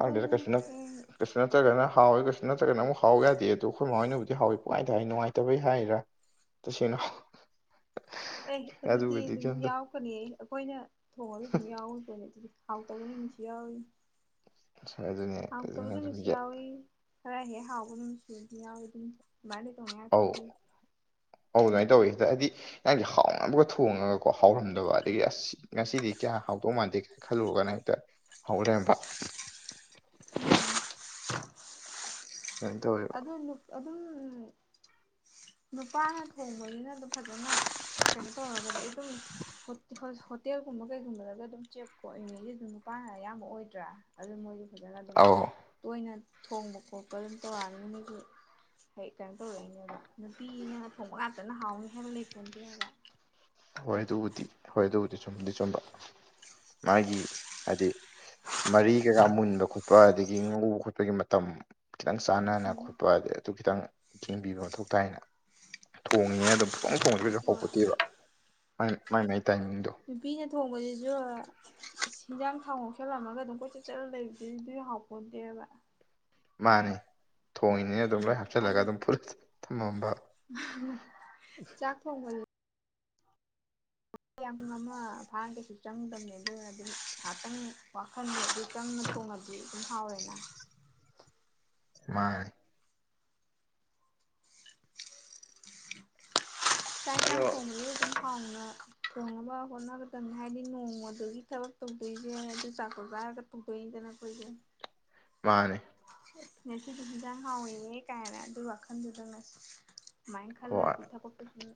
ꯈꯪꯗꯦꯗ ꯀꯩꯁꯨ ꯅ ꯍꯌꯦꯡ ꯀꯩꯁꯨ ꯅꯠꯇ꯭ꯔꯒꯅ ꯍꯥꯎꯋꯦ ꯀꯩꯁꯨ ꯅꯠꯇ꯭ꯔꯒꯅ ꯑꯃꯨꯛ ꯍꯥꯎ ꯌꯥꯗꯦ ꯑꯗꯨ ꯑꯩꯈꯣꯏ ꯃꯥ ꯍꯣꯏꯅꯕꯨꯗꯤ ꯍꯥꯎꯋꯦ ꯄꯪꯍꯥꯏꯗ ꯍꯥꯏ ꯅꯨꯡꯉꯥꯏꯇꯕꯩ ꯍꯥꯏꯔ ꯇꯁꯦꯡꯅ ꯑꯦ ꯑꯗꯨꯗꯤ ꯑꯗꯨꯒꯗꯤ ꯑꯗꯨꯝ ꯀꯩꯝꯇ ꯌꯥꯎꯔꯛꯀꯅꯤ ꯑꯩꯈꯣꯏꯅ ꯊꯣꯡꯉꯒ ꯑꯗꯨꯝ ꯌꯥꯎꯔꯤꯄꯣꯠꯅꯤ ꯑꯗꯨꯗꯤ ꯍꯥꯎ ꯇꯕ ꯅꯨꯃꯤꯠꯁꯨ ꯌꯥꯎꯏ ꯑꯗꯨꯅꯦ ꯍꯥꯎꯇꯕ ꯑꯗꯨꯅ ꯑꯗꯨꯝ ꯅꯨꯃꯤꯠꯁꯨ ꯌꯥꯎꯏ ꯈꯔꯍꯦꯛ ꯍꯥꯎꯕ ꯅꯨꯃꯤꯠꯁꯨ ꯌꯥꯎꯏ ꯑꯗꯨꯝ ꯑꯗꯨꯃꯥꯏ ꯉꯥꯛ ꯇꯧꯅꯩ ꯑꯧ ꯉꯥꯛꯇꯅꯤ ꯗꯨ ꯑꯧ ꯑꯗꯨꯃꯥꯏꯅ ꯇꯧꯋꯤ ꯍꯦꯛꯇ ꯍꯥꯏꯗꯤ ꯍꯥꯎꯅꯕ ꯊꯣꯡꯉ ꯍꯥꯎꯔꯝꯗꯕ ꯑꯗꯩꯒꯤ ꯑꯁ ꯉꯁꯤꯗꯤ ꯀꯌꯥ ꯍꯥꯎ ꯍꯧꯗꯧ ꯃꯥꯟꯗꯦ ꯈꯜꯂꯨꯔꯒꯅ ꯍꯦꯛꯇ ꯍꯥꯎ ꯂꯩꯔꯝꯕ ꯎꯝ ꯑꯗꯨꯃꯥꯏꯅ ꯇꯧꯋꯦꯕ ꯑꯗꯨ ꯑꯗꯨꯝ ꯅꯨꯄꯥꯅ ꯊꯣꯡꯕꯅꯤꯅ ꯑꯗꯨꯝ ꯐꯖꯅ ꯀꯩꯅꯣ ꯇꯧꯔꯕꯗ ꯑꯗꯨꯝ ꯍꯣꯇꯦꯜ ꯑꯗꯨꯒꯨꯝꯕ ꯀꯩꯒꯨꯝꯕꯗꯒ ꯑꯗꯨꯝ ꯆꯦꯞꯀꯣꯏꯉꯩꯁꯤꯁꯨ ꯅꯨꯄꯥꯅ ꯑꯌꯥꯝꯕ ꯑꯣꯏꯗ꯭ꯔꯥ ꯑꯗꯨ ꯃꯣꯏꯒꯤ ꯐꯖꯅ ꯑꯗꯨꯝ ꯑꯧ ꯇꯣꯏꯅ ꯊꯣꯡꯕ ꯈꯣꯠꯄ ꯑꯗꯨꯝ ꯇꯧꯔꯛꯑꯅꯤ ꯃꯣꯏꯒꯤ ꯍꯦ ꯀꯩꯅꯣ ꯇꯧꯔꯛꯏꯅꯦꯕ ꯅꯨꯄꯤꯅ ꯊꯣꯡꯕ ꯉꯥꯛꯇꯅ ꯍꯥꯎꯅꯤ ꯍꯥꯏꯕ ꯂꯩꯄꯣꯠꯇꯦ ꯍꯥꯏꯕ ꯍꯣꯏ ꯑꯗꯨꯕꯨꯗꯤ ꯍꯣꯏ ꯑꯗꯨꯕꯨꯗꯤ ꯆꯤꯝꯗꯤ ꯆꯨꯝꯕ ꯃꯥꯒꯤ ꯍꯥꯏꯗꯤ ꯃꯔꯤ ꯀꯩꯀꯥ ꯃꯨꯟꯕ ꯈꯣꯠꯄ ꯑꯗꯒꯤ ꯉꯧꯕ ꯈꯣꯠꯄꯒꯤ ꯃꯇꯝ ꯈꯤꯇꯪ ꯆꯥꯟꯅꯅ ꯎꯝ ꯈꯣꯠꯄ ꯑꯗꯩ ꯑꯗꯨ ꯈꯤꯇꯪ ꯌꯦꯡꯕꯤꯕ ꯃꯊꯧ ꯇꯥꯏꯅ ꯊꯣꯡꯉꯤꯅ ꯑꯗꯨꯝ ꯄꯨꯊꯣꯡꯉꯁꯨ ꯀꯩꯁꯨ ꯍꯣꯏ ꯍꯥꯎꯄꯣꯠꯇꯦꯕ ꯃꯥꯏ ꯃꯥꯏ ꯅꯨꯄꯤꯅ ꯊꯣꯡꯕꯁꯤꯖꯨ ꯍꯤꯟꯖꯥꯡ ꯊꯥꯎ ꯉꯧꯁꯜꯂꯝꯃꯒ ꯑꯗꯨꯝ ꯀꯣꯏꯆꯠ ꯆꯠꯂꯒ ꯂꯩꯕꯗꯨ ꯑꯗꯨꯗꯤ ꯍꯥꯎꯄꯣꯠꯗꯦꯕ ꯃꯥꯅꯦ ꯊꯣꯡꯉꯤꯅꯦꯅ ꯑꯗꯨꯝ ꯂꯣꯏ ꯍꯥꯞꯆꯜꯂꯒ ꯑꯗꯨꯝ ꯐꯨꯠꯂ ꯊꯝꯃꯝꯕ ꯍꯥ ꯆꯥꯥꯛ ꯊꯣꯡꯕ ꯌꯥꯝ ꯑꯃ ꯐꯥꯒꯁꯨ ꯆꯪꯗꯕꯅꯦ ꯑꯗꯨꯝ ꯉꯥꯏꯍꯥꯛꯇꯪ ꯋꯥꯈꯜꯗ ꯑꯗꯨ ꯆꯪ ꯊꯣꯡꯂꯗꯤ ꯑꯗꯨꯝ ꯍꯥꯎꯋꯦꯅ ꯃꯥꯅꯦ ꯆꯥꯛ ꯑꯗꯣ ꯏꯟꯖꯥꯡ ꯊꯣꯡꯕ ꯑꯗꯨꯝ ꯍꯥꯎꯅ ꯊꯣꯡꯅꯕ ꯍꯣꯠꯅꯒꯗꯕꯅꯦ ꯍꯥꯏꯗꯤ ꯅꯣꯡꯃꯗꯨꯒꯤ ꯊꯕꯛ ꯇꯧꯗꯣꯏꯁꯦ ꯑꯗꯨ ꯆꯥꯛꯇꯣ ꯆꯥꯔꯒ ꯇꯧꯗꯣꯏꯅꯦ *unintelligible* ꯃꯥꯅꯦ ꯉꯁꯤꯗꯤ ꯏꯟꯖꯥꯡ ꯍꯥꯎꯋꯦꯍꯦ ꯀꯥꯏꯅ ꯑꯗꯨ ꯋꯥꯈꯟꯗꯨꯗꯅꯦ ꯑꯗꯨꯃꯥꯏ ꯍꯣꯏ ꯈꯜꯂꯗꯤ ꯊꯕꯛꯇꯣ ꯁꯨꯝ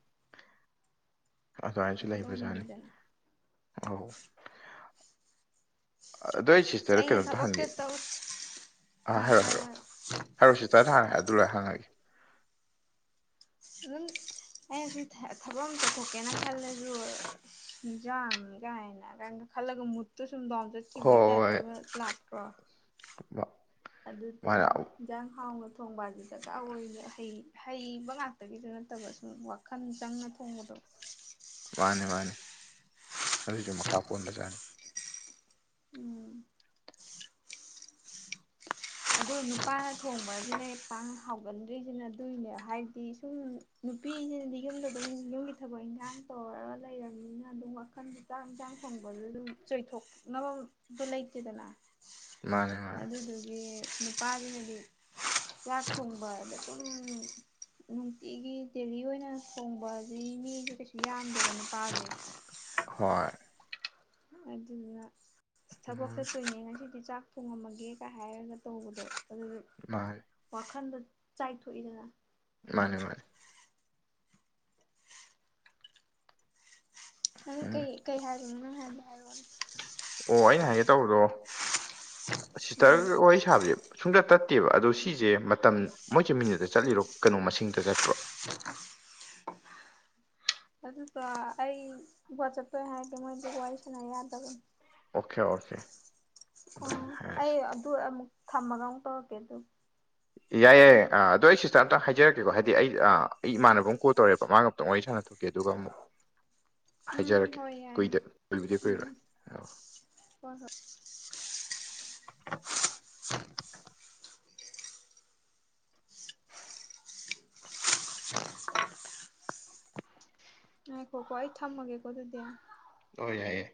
ꯑꯗꯨꯃꯥꯏꯁꯨ ꯀꯩꯅꯣ ꯂꯩꯕꯖꯥꯠꯅꯤ ꯇꯧꯅꯤꯡꯉꯤꯗꯅ ꯑꯧ ꯑꯗꯣ ꯑꯩ ꯑꯁ ꯁꯤꯁꯇꯔꯗ ꯑꯩꯅ ꯀꯩꯅꯣꯝꯇ ꯊꯕꯛꯁꯦ ꯍꯪꯒꯦ ꯇꯧ ꯑꯥ ꯍꯥꯏꯔꯛꯑꯣ ꯍꯥꯏꯌꯣ ꯍꯥꯏꯔꯛꯑꯣ ꯍꯥꯏꯌꯣ ꯍꯥꯏꯔꯛꯑꯣ ꯁꯤꯁꯇꯔꯅ ꯍꯥꯟꯅ ꯑꯗꯨ ꯂꯣꯏꯔ ꯍꯪꯉꯛꯑꯒꯦ ꯑꯗꯨꯝ ꯑꯩꯅꯁꯨ ꯊꯕꯛ ꯑꯃ ꯇꯧꯊꯣꯛꯀꯦꯅ ꯈꯜꯂꯁꯨ ꯍꯤꯟꯖꯥꯡꯅꯤ ꯀꯥꯏꯅ ꯈꯜꯂꯒ ꯃꯨꯠꯇꯨ ꯁꯨꯝ ꯗꯥꯎꯟ ꯆꯠꯈꯤꯕꯒꯤ ꯇꯥꯏꯞꯇ ꯂꯥꯛꯇ꯭ꯔꯣ ꯋꯥ ꯑꯗꯨꯗꯨꯅꯤ ꯏꯟꯖꯥꯡ ꯍꯥꯎꯅ ꯊꯣꯡꯕꯁꯦ ꯗꯔꯀꯥꯔ ꯑꯣꯏꯔꯤꯅꯦ ꯍꯩ ꯍꯩꯕ ꯉꯥꯛꯇꯒꯤꯁꯨ ꯅꯠꯇꯕ ꯁꯨꯝ ꯋꯥꯈꯜ ꯆꯪꯅ ꯊꯣꯡꯕꯗꯣ *inaudible* ꯃꯥꯅꯤ ꯃꯥꯅꯤ ꯑꯗꯨꯁꯨ ꯃꯈꯥ ꯄꯣꯟꯕ ꯖꯥꯠꯅꯤ ꯎꯝ ꯑꯗꯣ ꯅꯨꯄꯥꯅ ꯊꯣꯡꯕꯁꯤꯅ ꯍꯦꯛ ꯄꯥꯛꯅ ꯍꯥꯎꯒꯟꯗ꯭ꯔꯤꯁꯤꯅ ꯑꯗꯨꯏꯅꯦ ꯍꯥꯏꯕꯗꯤ ꯁꯨꯝ ꯅꯨ ꯅꯨꯄꯤꯅꯗꯤ ꯌꯨꯝꯗ ꯌꯨꯝꯒꯤ ꯊꯕꯛ ꯏꯟꯈꯥꯡ ꯇꯧꯔꯒ ꯂꯩꯔꯕꯅꯤꯅ ꯑꯗꯨꯝ ꯋꯥꯈꯜꯗꯤ ꯆꯥꯛ ꯏꯟꯁꯥꯡ ꯊꯣꯡ ꯑꯗꯨꯝ ꯆꯣꯏꯊꯣꯛꯅꯕ ꯂꯩꯇꯦꯗꯅ ꯃꯥꯅꯦ ꯃꯥꯅꯦ ꯑꯗꯨꯗꯨꯒꯤ ꯅꯨꯄꯥꯁꯤꯅꯗꯤ ꯆꯥꯛ ꯊꯣꯡꯕ ꯑꯗꯨꯨꯝ ꯅꯨꯡꯇꯤꯒꯤ ꯗꯦꯜꯂꯤ ꯑꯣꯏꯅ ꯊꯣꯡꯕꯗꯤ ꯃꯤꯁꯨ ꯀꯩꯁꯨ ꯌꯥꯝꯗꯦꯕ ꯅꯨꯄꯥꯖꯦ ꯍꯣꯏ ꯑꯗꯨꯗꯨꯅ ꯊꯕꯛ ꯆꯠꯇꯣꯏꯅꯦ ꯉꯁꯤꯗꯤ ꯆꯥꯛ ꯊꯣꯡꯉꯝꯃꯒꯦꯒ ꯍꯥꯏꯔꯒ ꯇꯧꯕꯗꯣ ꯑꯗꯨꯗꯤ ꯃꯥꯅꯦ ꯋꯥꯈꯟꯗꯣ ꯆꯥꯏꯊꯣꯛ ꯏꯗꯅ ꯃꯥꯅꯦ ꯃꯥꯅꯦ ꯅꯪ ꯎꯝ ꯀꯩ ꯀꯩ ꯍꯥꯏꯕꯅꯣ ꯅꯪ ꯍꯥꯏꯕꯗꯣ ꯍꯥꯏꯔꯛꯑꯣꯅꯦ ꯑꯣ ꯑꯩꯅ ꯍꯥꯏꯒꯦ ꯇꯧꯕꯗꯣ ꯎꯝ ꯁꯤꯁꯇꯔꯒ ꯋꯥꯔꯤ ꯁꯥꯕꯁꯦ ꯁꯨꯡꯇꯠ ꯇꯠꯇꯦꯕ ꯑꯗꯣ ꯁꯤꯁꯦ ꯃꯇꯝ ꯃꯣꯏꯁꯦ ꯃꯤꯅꯤꯠꯇ ꯆꯠꯂꯤꯔꯣ ꯀꯩꯅꯣ ꯃꯁꯤꯡꯗ ꯆꯠꯄ꯭ꯔꯣ *inaudible* ꯑꯗꯨꯗ ꯑꯩ ꯋꯥꯆꯞꯇꯑꯣꯢ ꯍꯥꯏꯒꯦ ꯃꯣꯏꯗꯤ ꯋꯥꯔꯤ ꯁꯅ ꯌꯥꯗꯕꯅꯤ ꯑꯣꯀꯦ ꯑꯣꯀꯦ ꯎ ꯑꯗꯨꯃꯥꯏꯅ ꯍꯥꯏꯔꯁꯤ ꯑꯩ ꯑꯗꯨ ꯑꯃꯨꯛ ꯊꯝꯃꯒ ꯑꯃꯨꯛ ꯇꯧꯔꯛꯀꯦ ꯑꯗꯨ ꯌꯥꯏ ꯌꯥꯏꯌꯦ ꯑꯗꯣ ꯑꯩ ꯁꯤꯁꯇꯔ ꯑꯝꯇꯪ ꯍꯥꯏꯖꯔꯛꯀꯦꯀꯣ ꯍꯥꯏꯗꯤ ꯑꯩ ꯑꯩ ꯏꯃꯟꯅꯕ ꯀꯣꯜ ꯇꯧꯔꯦꯕ ꯃꯥ ꯉꯥꯛꯇꯪ ꯋꯥꯔꯤ ꯁꯥꯟꯅ *unintelligible* ꯎꯝ ꯍꯣꯢ ꯌꯥꯢꯌꯦ ꯀꯨꯏꯕꯨꯗꯤ ꯎꯝ ꯀꯨꯏꯔꯣꯏ ꯑꯣ ꯍꯣꯏ ꯍꯣꯏ *inaudible* ꯉꯥꯢꯈꯣꯀꯣ ꯑꯩ ꯊꯝꯃꯒꯦꯀꯣ ꯑꯗꯨꯗꯤ ꯑꯣ ꯌꯥꯏꯌꯦ